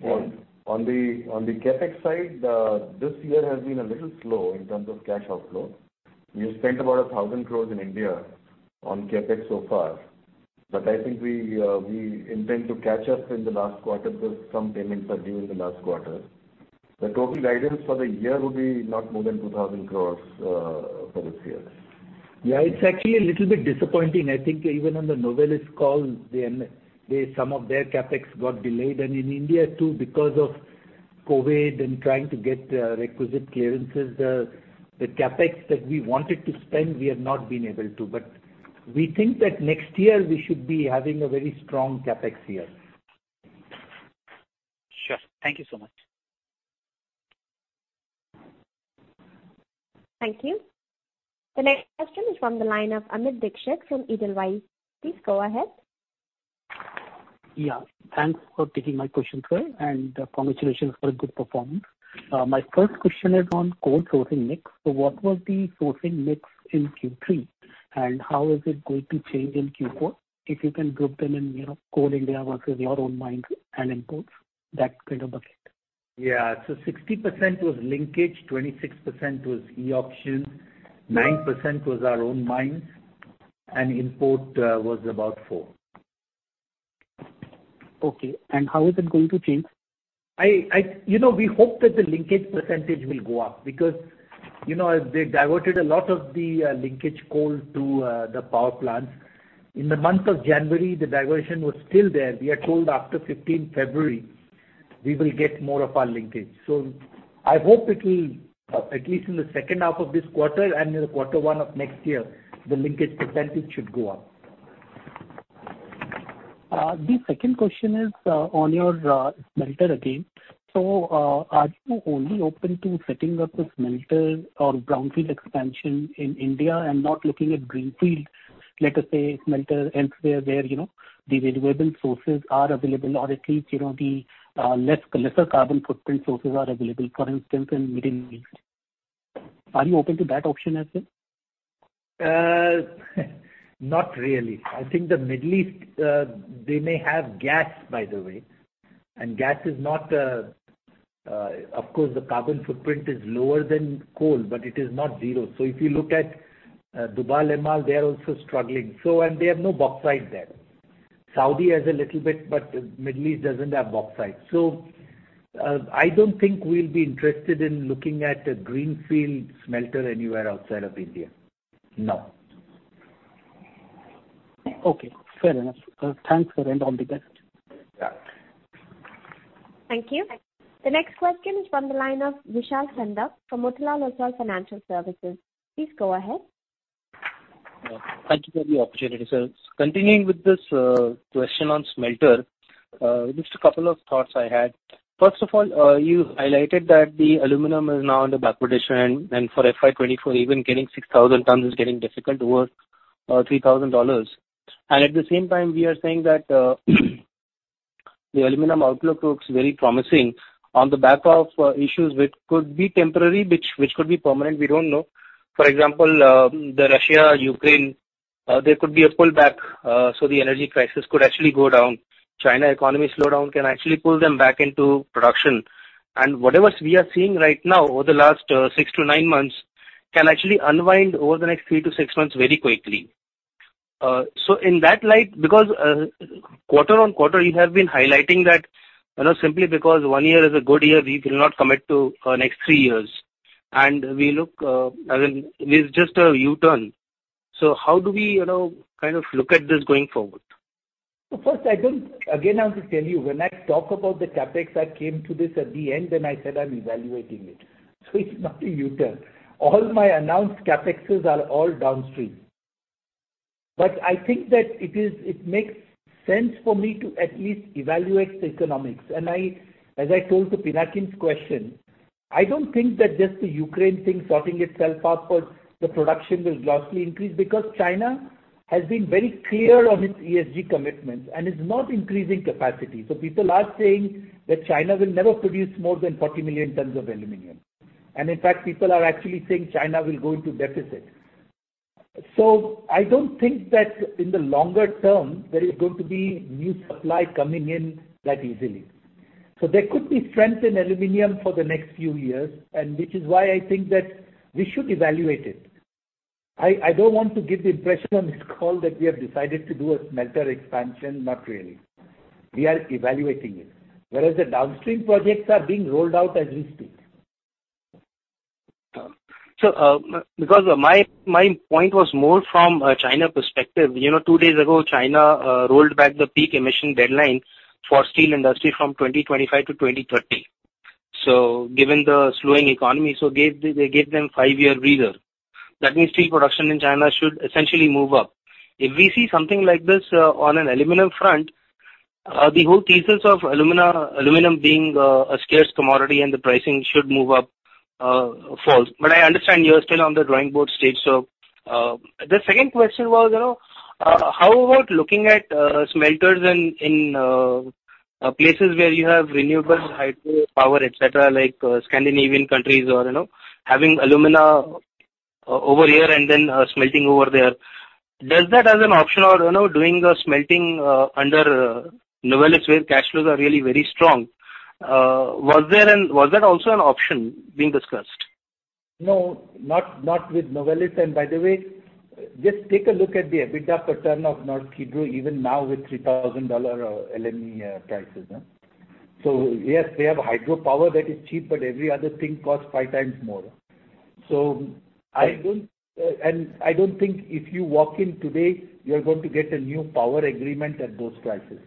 Yes. On the CapEx side, this year has been a little slow in terms of cash outflow. We have spent about 1,000 crores in India on CapEx so far, but I think we intend to catch up in the last quarter because some payments are due in the last quarter. The total guidance for the year would be not more than 2,000 crores for this year. Yeah, it's actually a little bit disappointing. I think even on the Novelis call, some of their CapEx got delayed. In India too, because of COVID and trying to get requisite clearances, the CapEx that we wanted to spend, we have not been able to. We think that next year we should be having a very strong CapEx year. Sure. Thank you so much. Thank you. The next question is from the line of Amit Dixit from Edelweiss. Please go ahead. Yeah. Thanks for taking my question, sir, and congratulations for a good performance. My first question is on coal sourcing mix. What was the sourcing mix in Q3, and how is it going to change in Q4? If you can group them in, you know, Coal India versus your own mines and imports, that kind of a split. 60% was linkage, 26% was e-auction, 9% was our own mines, and import was about 4%. Okay. How is it going to change? You know, we hope that the linkage percentage will go up because, you know, they diverted a lot of the linkage coal to the power plants. In the month of January, the diversion was still there. We are told after 15 February we will get more of our linkage. I hope it will at least in the second half of this quarter and in quarter one of next year, the linkage percentage should go up. The second question is on your smelter again. Are you only open to setting up a smelter or brownfield expansion in India and not looking at greenfield, let us say, smelter elsewhere where, you know, the renewable sources are available, or at least, you know, the lesser carbon footprint sources are available, for instance, in Middle East? Are you open to that option as well? Not really. I think the Middle East, they may have gas, by the way. Of course, the carbon footprint is lower than coal, but it is not zero. If you look at Dubai, Oman, they are also struggling. They have no bauxite there. Saudi has a little bit, but Middle East doesn't have bauxite. I don't think we'll be interested in looking at a greenfield smelter anywhere outside of India. No. Okay. Fair enough. Thanks, sir. All the best. Yeah. Thank you. The next question is from the line of Vishal Chandak from Motilal Oswal Financial Services. Please go ahead. Thank you for the opportunity, sir. Continuing with this, question on smelter, just a couple of thoughts I had. First of all, you highlighted that the aluminum is now in the back position and for FY 2024 even getting 6,000 tons is getting difficult over $3,000. At the same time we are saying that, the aluminum outlook looks very promising on the back of issues which could be temporary, which could be permanent, we don't know. For example, the Russia-Ukraine, there could be a pullback, so the energy crisis could actually go down. China economy slowdown can actually pull them back into production. Whatever we are seeing right now over the last 6-9 months can actually unwind over the next 3-6 months very quickly. In that light, because quarter-on-quarter you have been highlighting that, you know, simply because one year is a good year, we will not commit to next three years. I mean, it is just a U-turn. How do we, you know, kind of look at this going forward? First, again, I have to tell you, when I talk about the CapEx, I came to this at the end and I said I'm evaluating it, so it's not a U-turn. All my announced CapExes are all downstream. But I think that it makes sense for me to at least evaluate the economics. I, as I told to Pinakin's question, don't think that just the Ukraine thing sorting itself out for the production will vastly increase because China has been very clear on its ESG commitments and is not increasing capacity. People are saying that China will never produce more than 40 million tons of aluminum. In fact, people are actually saying China will go into deficit. I don't think that in the longer term there is going to be new supply coming in that easily. There could be strength in aluminum for the next few years and which is why I think that we should evaluate it. I don't want to give the impression on this call that we have decided to do a smelter expansion. Not really. We are evaluating it. Whereas the downstream projects are being rolled out as we speak. Because my point was more from a China perspective. You know, two days ago China rolled back the peak emission deadline for steel industry from 2025 to 2030. Given the slowing economy, they gave them five-year breather. That means steel production in China should essentially move up. If we see something like this on an aluminum front, the whole thesis of aluminum being a scarce commodity and the pricing should move up falls. But I understand you are still on the drawing board stage. The second question was, you know, how about looking at smelters in places where you have renewable hydro power, et cetera, like Scandinavian countries or, you know, having alumina over here and then smelting over there. Does that as an option or, you know, doing the smelting under Novelis where cash flows are really very strong, was that also an option being discussed? No, not with Novelis. By the way, just take a look at the EBITDA per ton of Norsk Hydro even now with $3,000 aluminum prices. Yes, they have hydro power that is cheap, but every other thing costs five times more. I don't think if you walk in today, you're going to get a new power agreement at those prices.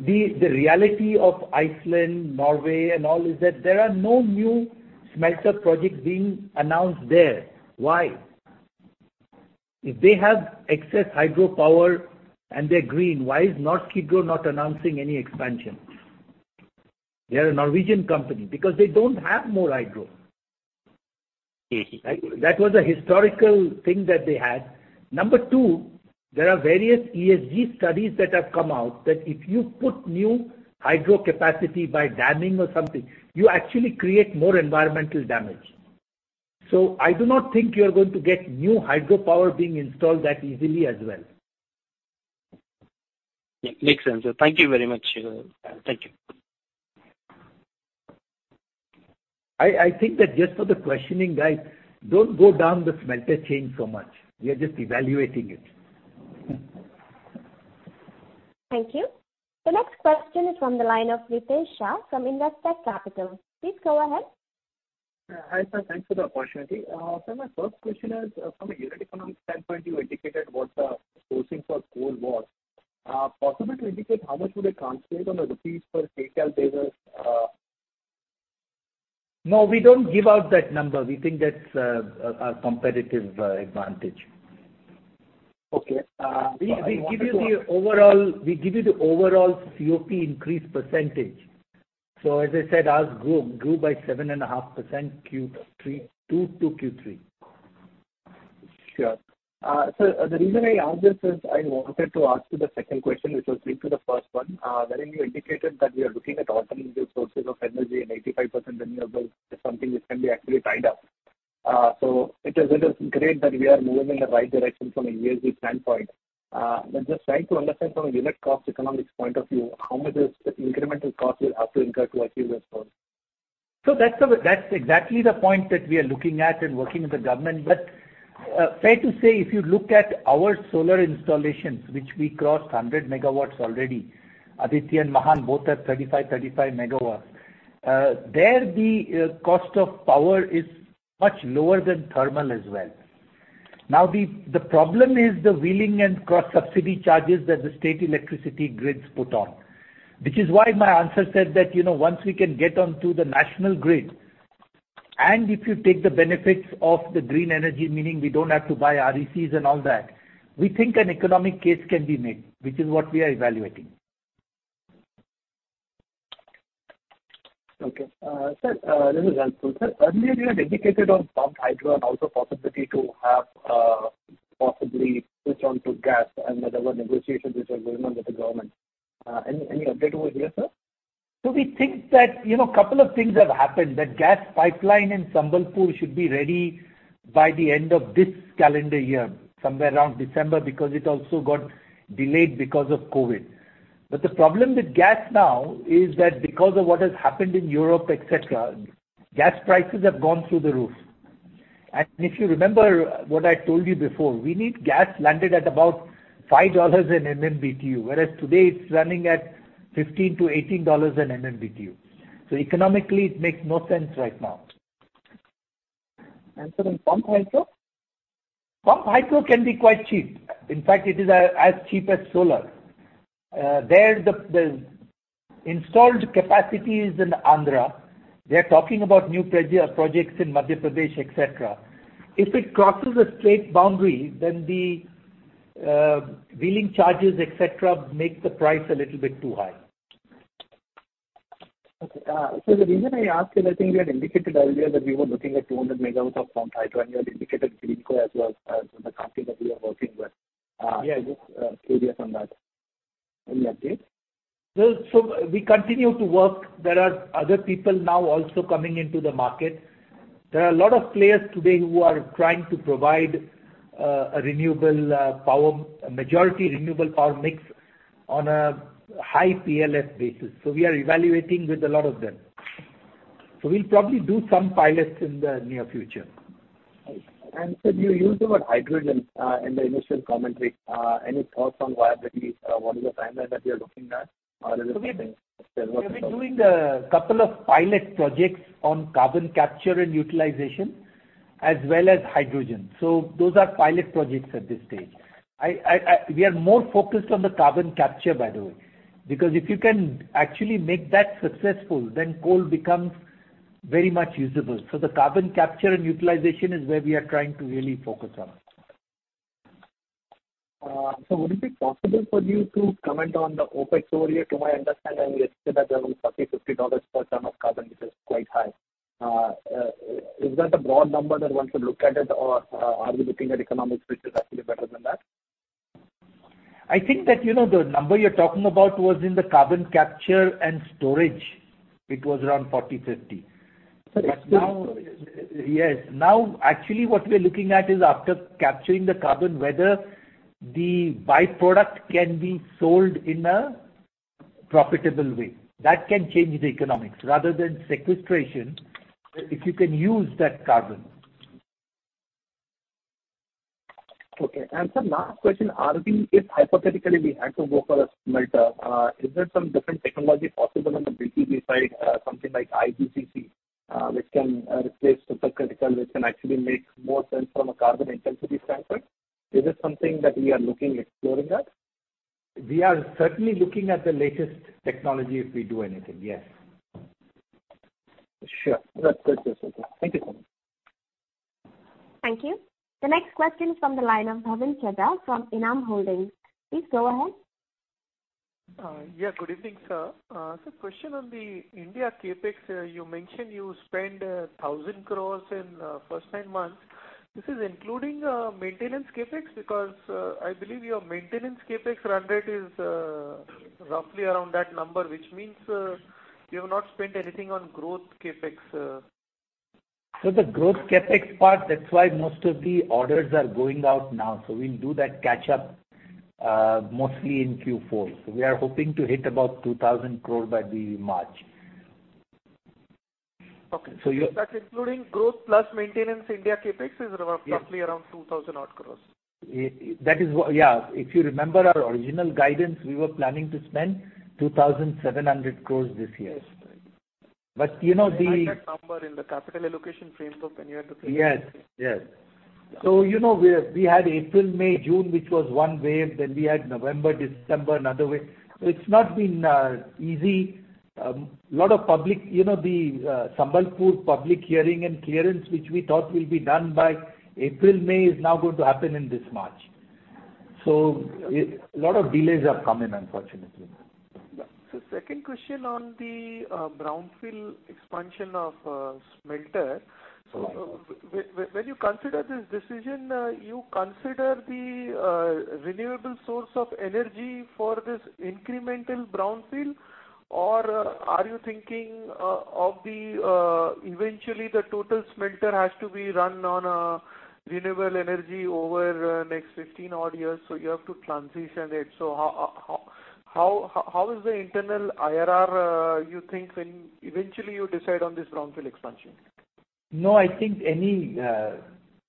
The reality of Iceland, Norway and all is that there are no new smelter projects being announced there. Why? If they have excess hydro power and they're green, why is Norsk Hydro not announcing any expansion? They're a Norwegian company. Because they don't have more hydro. Okay. That was a historical thing that they had. Number two, there are various ESG studies that have come out that if you put new hydro capacity by damming or something, you actually create more environmental damage. I do not think you are going to get new hydro power being installed that easily as well. Yeah, makes sense. Thank you very much. Thank you. I think that just for the questioning, guys, don't go down the smelter chain so much. We are just evaluating it. Thank you. The next question is from the line of Ritesh Shah from Investec Capital. Please go ahead. Hi, sir. Thanks for the opportunity. My first question is, from a unit economics standpoint, you indicated what the sourcing for coal was. Is it possible to indicate how much would it translate on a rupees per kilo basis? No, we don't give out that number. We think that's our competitive advantage. Okay. We give you the overall COP increase percentage. As I said, ours grew by 7.5% Q3-22 to Q3. Sure. The reason I ask this is I wanted to ask you the second question, which was linked to the first one, wherein you indicated that we are looking at alternative sources of energy and 85% renewable is something which can be actually tied up. It is great that we are moving in the right direction from an ESG standpoint. Just trying to understand from a unit cost economics point of view, how much is the incremental cost we'll have to incur to achieve this goal? That's exactly the point that we are looking at and working with the government. Fair to say, if you look at our solar installations, which we crossed 100 MW already, Aditya and Mahan both are 35 MW. There, the cost of power is much lower than thermal as well. Now, the problem is the wheeling and cross-subsidy charges that the state electricity grids put on. Which is why my answer said that, you know, once we can get onto the national grid. If you take the benefits of the green energy, meaning we don't have to buy RECs and all that, we think an economic case can be made, which is what we are evaluating. Okay. Sir, this is helpful. Sir, earlier you had indicated on pumped hydro and also possibility to have, possibly switch on to gas and there were negotiations which were going on with the government. Any update over here, sir? We think that, you know, couple of things have happened. The gas pipeline in Sambalpur should be ready by the end of this calendar year, somewhere around December, because it also got delayed because of COVID. The problem with gas now is that because of what has happened in Europe, et cetera, gas prices have gone through the roof. If you remember what I told you before, we need gas landed at about $5/MMBtu, whereas today it's landing at $15/MMBtu-$18/MMBtu. Economically, it makes no sense right now. Sir, in pumped hydro? Pumped hydro can be quite cheap. In fact, it is as cheap as solar. There, the installed capacity is in Andhra. They're talking about new projects in Madhya Pradesh, et cetera. If it crosses a state boundary, then the wheeling charges, et cetera, make the price a little bit too high. Okay. The reason I ask is I think we had indicated earlier that we were looking at 200 MW of pumped hydro, and you had indicated Greenko as well as the company that we are working with. Yeah. Just an update on that. Any update? We continue to work. There are other people now also coming into the market. There are a lot of players today who are trying to provide a renewable power, a majority renewable power mix on a high PLF basis. We are evaluating with a lot of them. We'll probably do some pilots in the near future. Sir, you used the word hydrogen in the initial commentary. Any thoughts on viability? What is the timeline that we are looking at? Or is it something? We've been doing a couple of pilot projects on carbon capture and utilization as well as hydrogen. Those are pilot projects at this stage. We are more focused on the carbon capture, by the way, because if you can actually make that successful, then coal becomes very much usable. The carbon capture and utilization is where we are trying to really focus on. Would it be possible for you to comment on the OpEx over a year? To my understanding, it's still around $30-$50 per ton of carbon, which is quite high. Is that a broad number that one should look at it? Are we looking at economics which is actually better than that? I think that, you know, the number you're talking about was in the carbon capture and storage. It was around 40-50. Okay. Now. Yes. Now, actually, what we're looking at is after capturing the carbon, whether the by-product can be sold in a profitable way. That can change the economics. Rather than sequestration, if you can use that carbon. Okay. Sir, last question. If hypothetically we had to go for a smelter, is there some different technology possible on the BG side, something like IGCC, which can replace supercritical, which can actually make more sense from a carbon intensity standpoint? Is this something that we are looking, exploring at? We are certainly looking at the latest technology if we do anything, yes. Sure. That's good to hear. Thank you, sir. Thank you. The next question is from the line of Bhavin Chheda from Enam Holdings Pvt Ltd. Please go ahead. Yeah, good evening, sir. Question on the India CapEx. You mentioned you spent 1,000 crore in first nine months. This is including maintenance CapEx? Because I believe your maintenance CapEx run rate is roughly around that number, which means you have not spent anything on growth CapEx. The growth CapEx part, that's why most of the orders are going out now. We'll do that catch-up, mostly in Q4. We are hoping to hit about 2,000 crore by the March. Okay. So you- That's including growth plus maintenance. India CapEx is roughly around 2,000-odd crores. Yeah. If you remember our original guidance, we were planning to spend 2,700 crore this year. Yes. Right. you know, I like that number in the capital allocation framework when you had to. Yes. You know, we had April, May, June, which was one wave, then we had November, December, another wave. It's not been easy. A lot of public, you know, the Sambalpur public hearing and clearance, which we thought will be done by April, May, is now going to happen in this March. A lot of delays have come in, unfortunately. Sir, second question on the brownfield expansion of smelter. When you consider this decision, you consider the renewable source of energy for this incremental brownfield? Or are you thinking of the eventually the total smelter has to be run on renewable energy over next 15 odd years, so you have to transition it. How is the internal IRR you think when eventually you decide on this brownfield expansion? No, I think any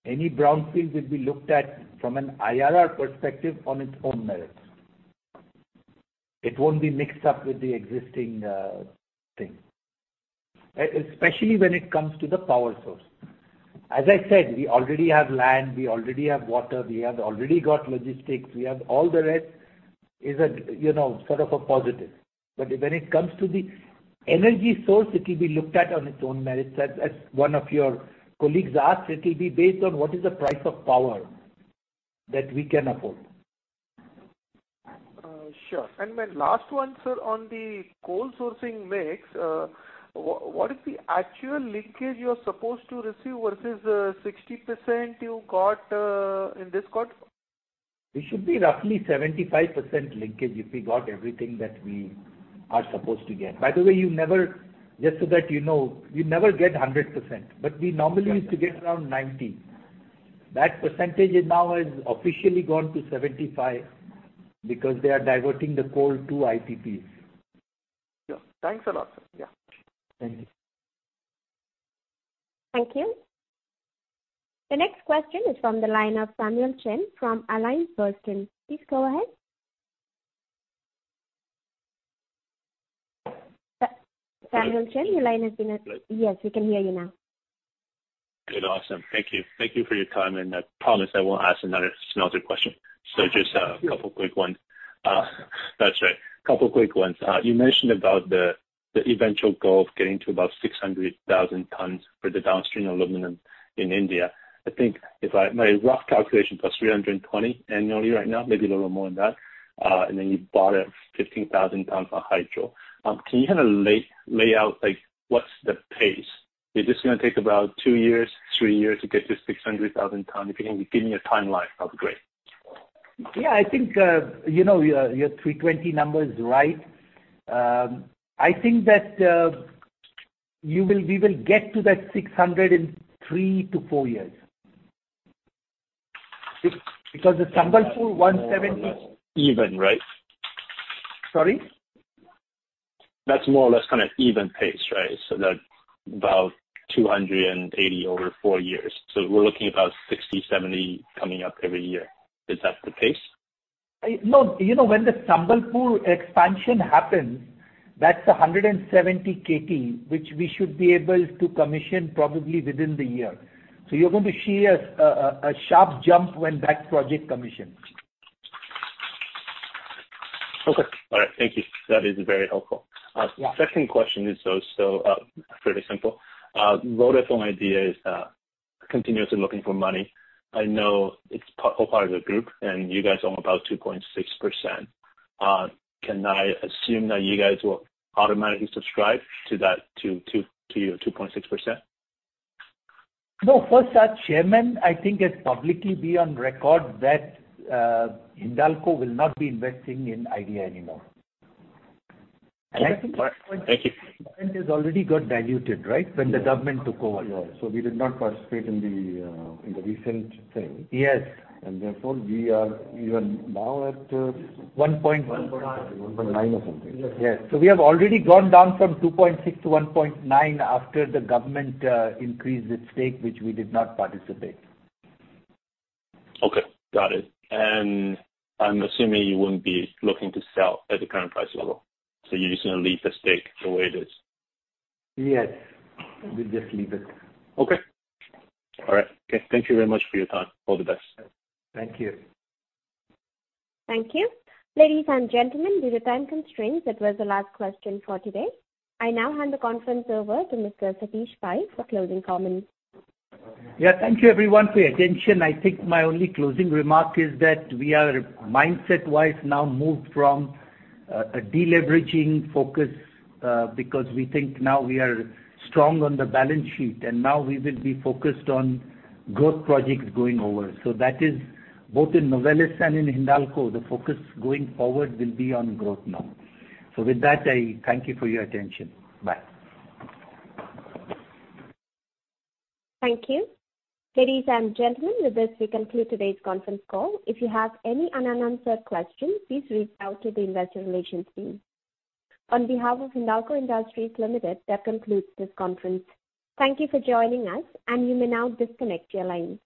brownfield will be looked at from an IRR perspective on its own merits. It won't be mixed up with the existing thing, especially when it comes to the power source. As I said, we already have land, we already have water, we have already got logistics. We have all the rest is a, you know, sort of a positive. But when it comes to the energy source, it will be looked at on its own merits. As one of your colleagues asked, it will be based on what is the price of power that we can afford. Sure. My last one, sir, on the coal sourcing mix, what is the actual linkage you are supposed to receive versus the 60% you got in this quarter? It should be roughly 75% linkage if we got everything that we are supposed to get. By the way, just so that you know, you never get 100%. We normally used to get around 90%. That percentage now has officially gone to 75% because they are diverting the coal to IPPs. Sure. Thanks a lot, sir. Yeah. Thank you. Thank you. The next question is from the line of Samuel Chen from AllianceBernstein. Please go ahead. Samuel Chen, your line has been- Hello. Yes, we can hear you now. Good. Awesome. Thank you. Thank you for your time, and I promise I won't ask another smelter question. Just a couple quick ones. You mentioned about the eventual goal of getting to about 600,000 tons for the downstream aluminum in India. I think my rough calculation plus 320 annually right now, maybe a little more than that, and then you bought 15,000 tons for Hydro. Can you kind of lay out, like, what's the pace? Is this gonna take about 2 years, 3 years to get to 600,000 tons? If you can give me a timeline, that'd be great. Yeah, I think you know, your 320 number is right. I think that we will get to that 600 in 3-4 years. Because the Sambalpur 170- Even, right? Sorry? That's more or less kind of even pace, right? That's about 280 over four years. We're looking about 60, 70 coming up every year. Is that the case? You know, when the Sambalpur expansion happens, that's 170 KT, which we should be able to commission probably within the year. You're going to see a sharp jump when that project commissions. Okay. All right. Thank you. That is very helpful. Yeah. Second question is also fairly simple. Vodafone Idea is continuously looking for money. I know it's part of the group, and you guys own about 2.6%. Can I assume that you guys will automatically subscribe to that, to your 2.6%? No. First, our chairman I think has publicly been on record that Hindalco will not be investing in Idea anymore. All right. Thank you. It has already got diluted, right? When the government took over. Yeah. We did not participate in the recent thing. Yes. We are even now at. One point- 1.9. 1.9 or something. Yes. Yeah. We have already gone down from 2.6% to 1.9% after the government increased its stake, which we did not participate. Okay. Got it. I'm assuming you wouldn't be looking to sell at the current price level. You're just gonna leave the stake the way it is. Yes. We'll just leave it. Okay. All right. Okay. Thank you very much for your time. All the best. Thank you. Thank you. Ladies and gentlemen, due to time constraints, that was the last question for today. I now hand the conference over to Mr. Satish Pai for closing comments. Yeah. Thank you everyone for your attention. I think my only closing remark is that we are mindset-wise now moved from a deleveraging focus, because we think now we are strong on the balance sheet, and now we will be focused on growth projects going over. That is both in Novelis and in Hindalco, the focus going forward will be on growth now. With that, I thank you for your attention. Bye. Thank you. Ladies and gentlemen, with this, we conclude today's conference call. If you have any unanswered questions, please reach out to the investor relations team. On behalf of Hindalco Industries Limited, that concludes this conference. Thank you for joining us, and you may now disconnect your lines.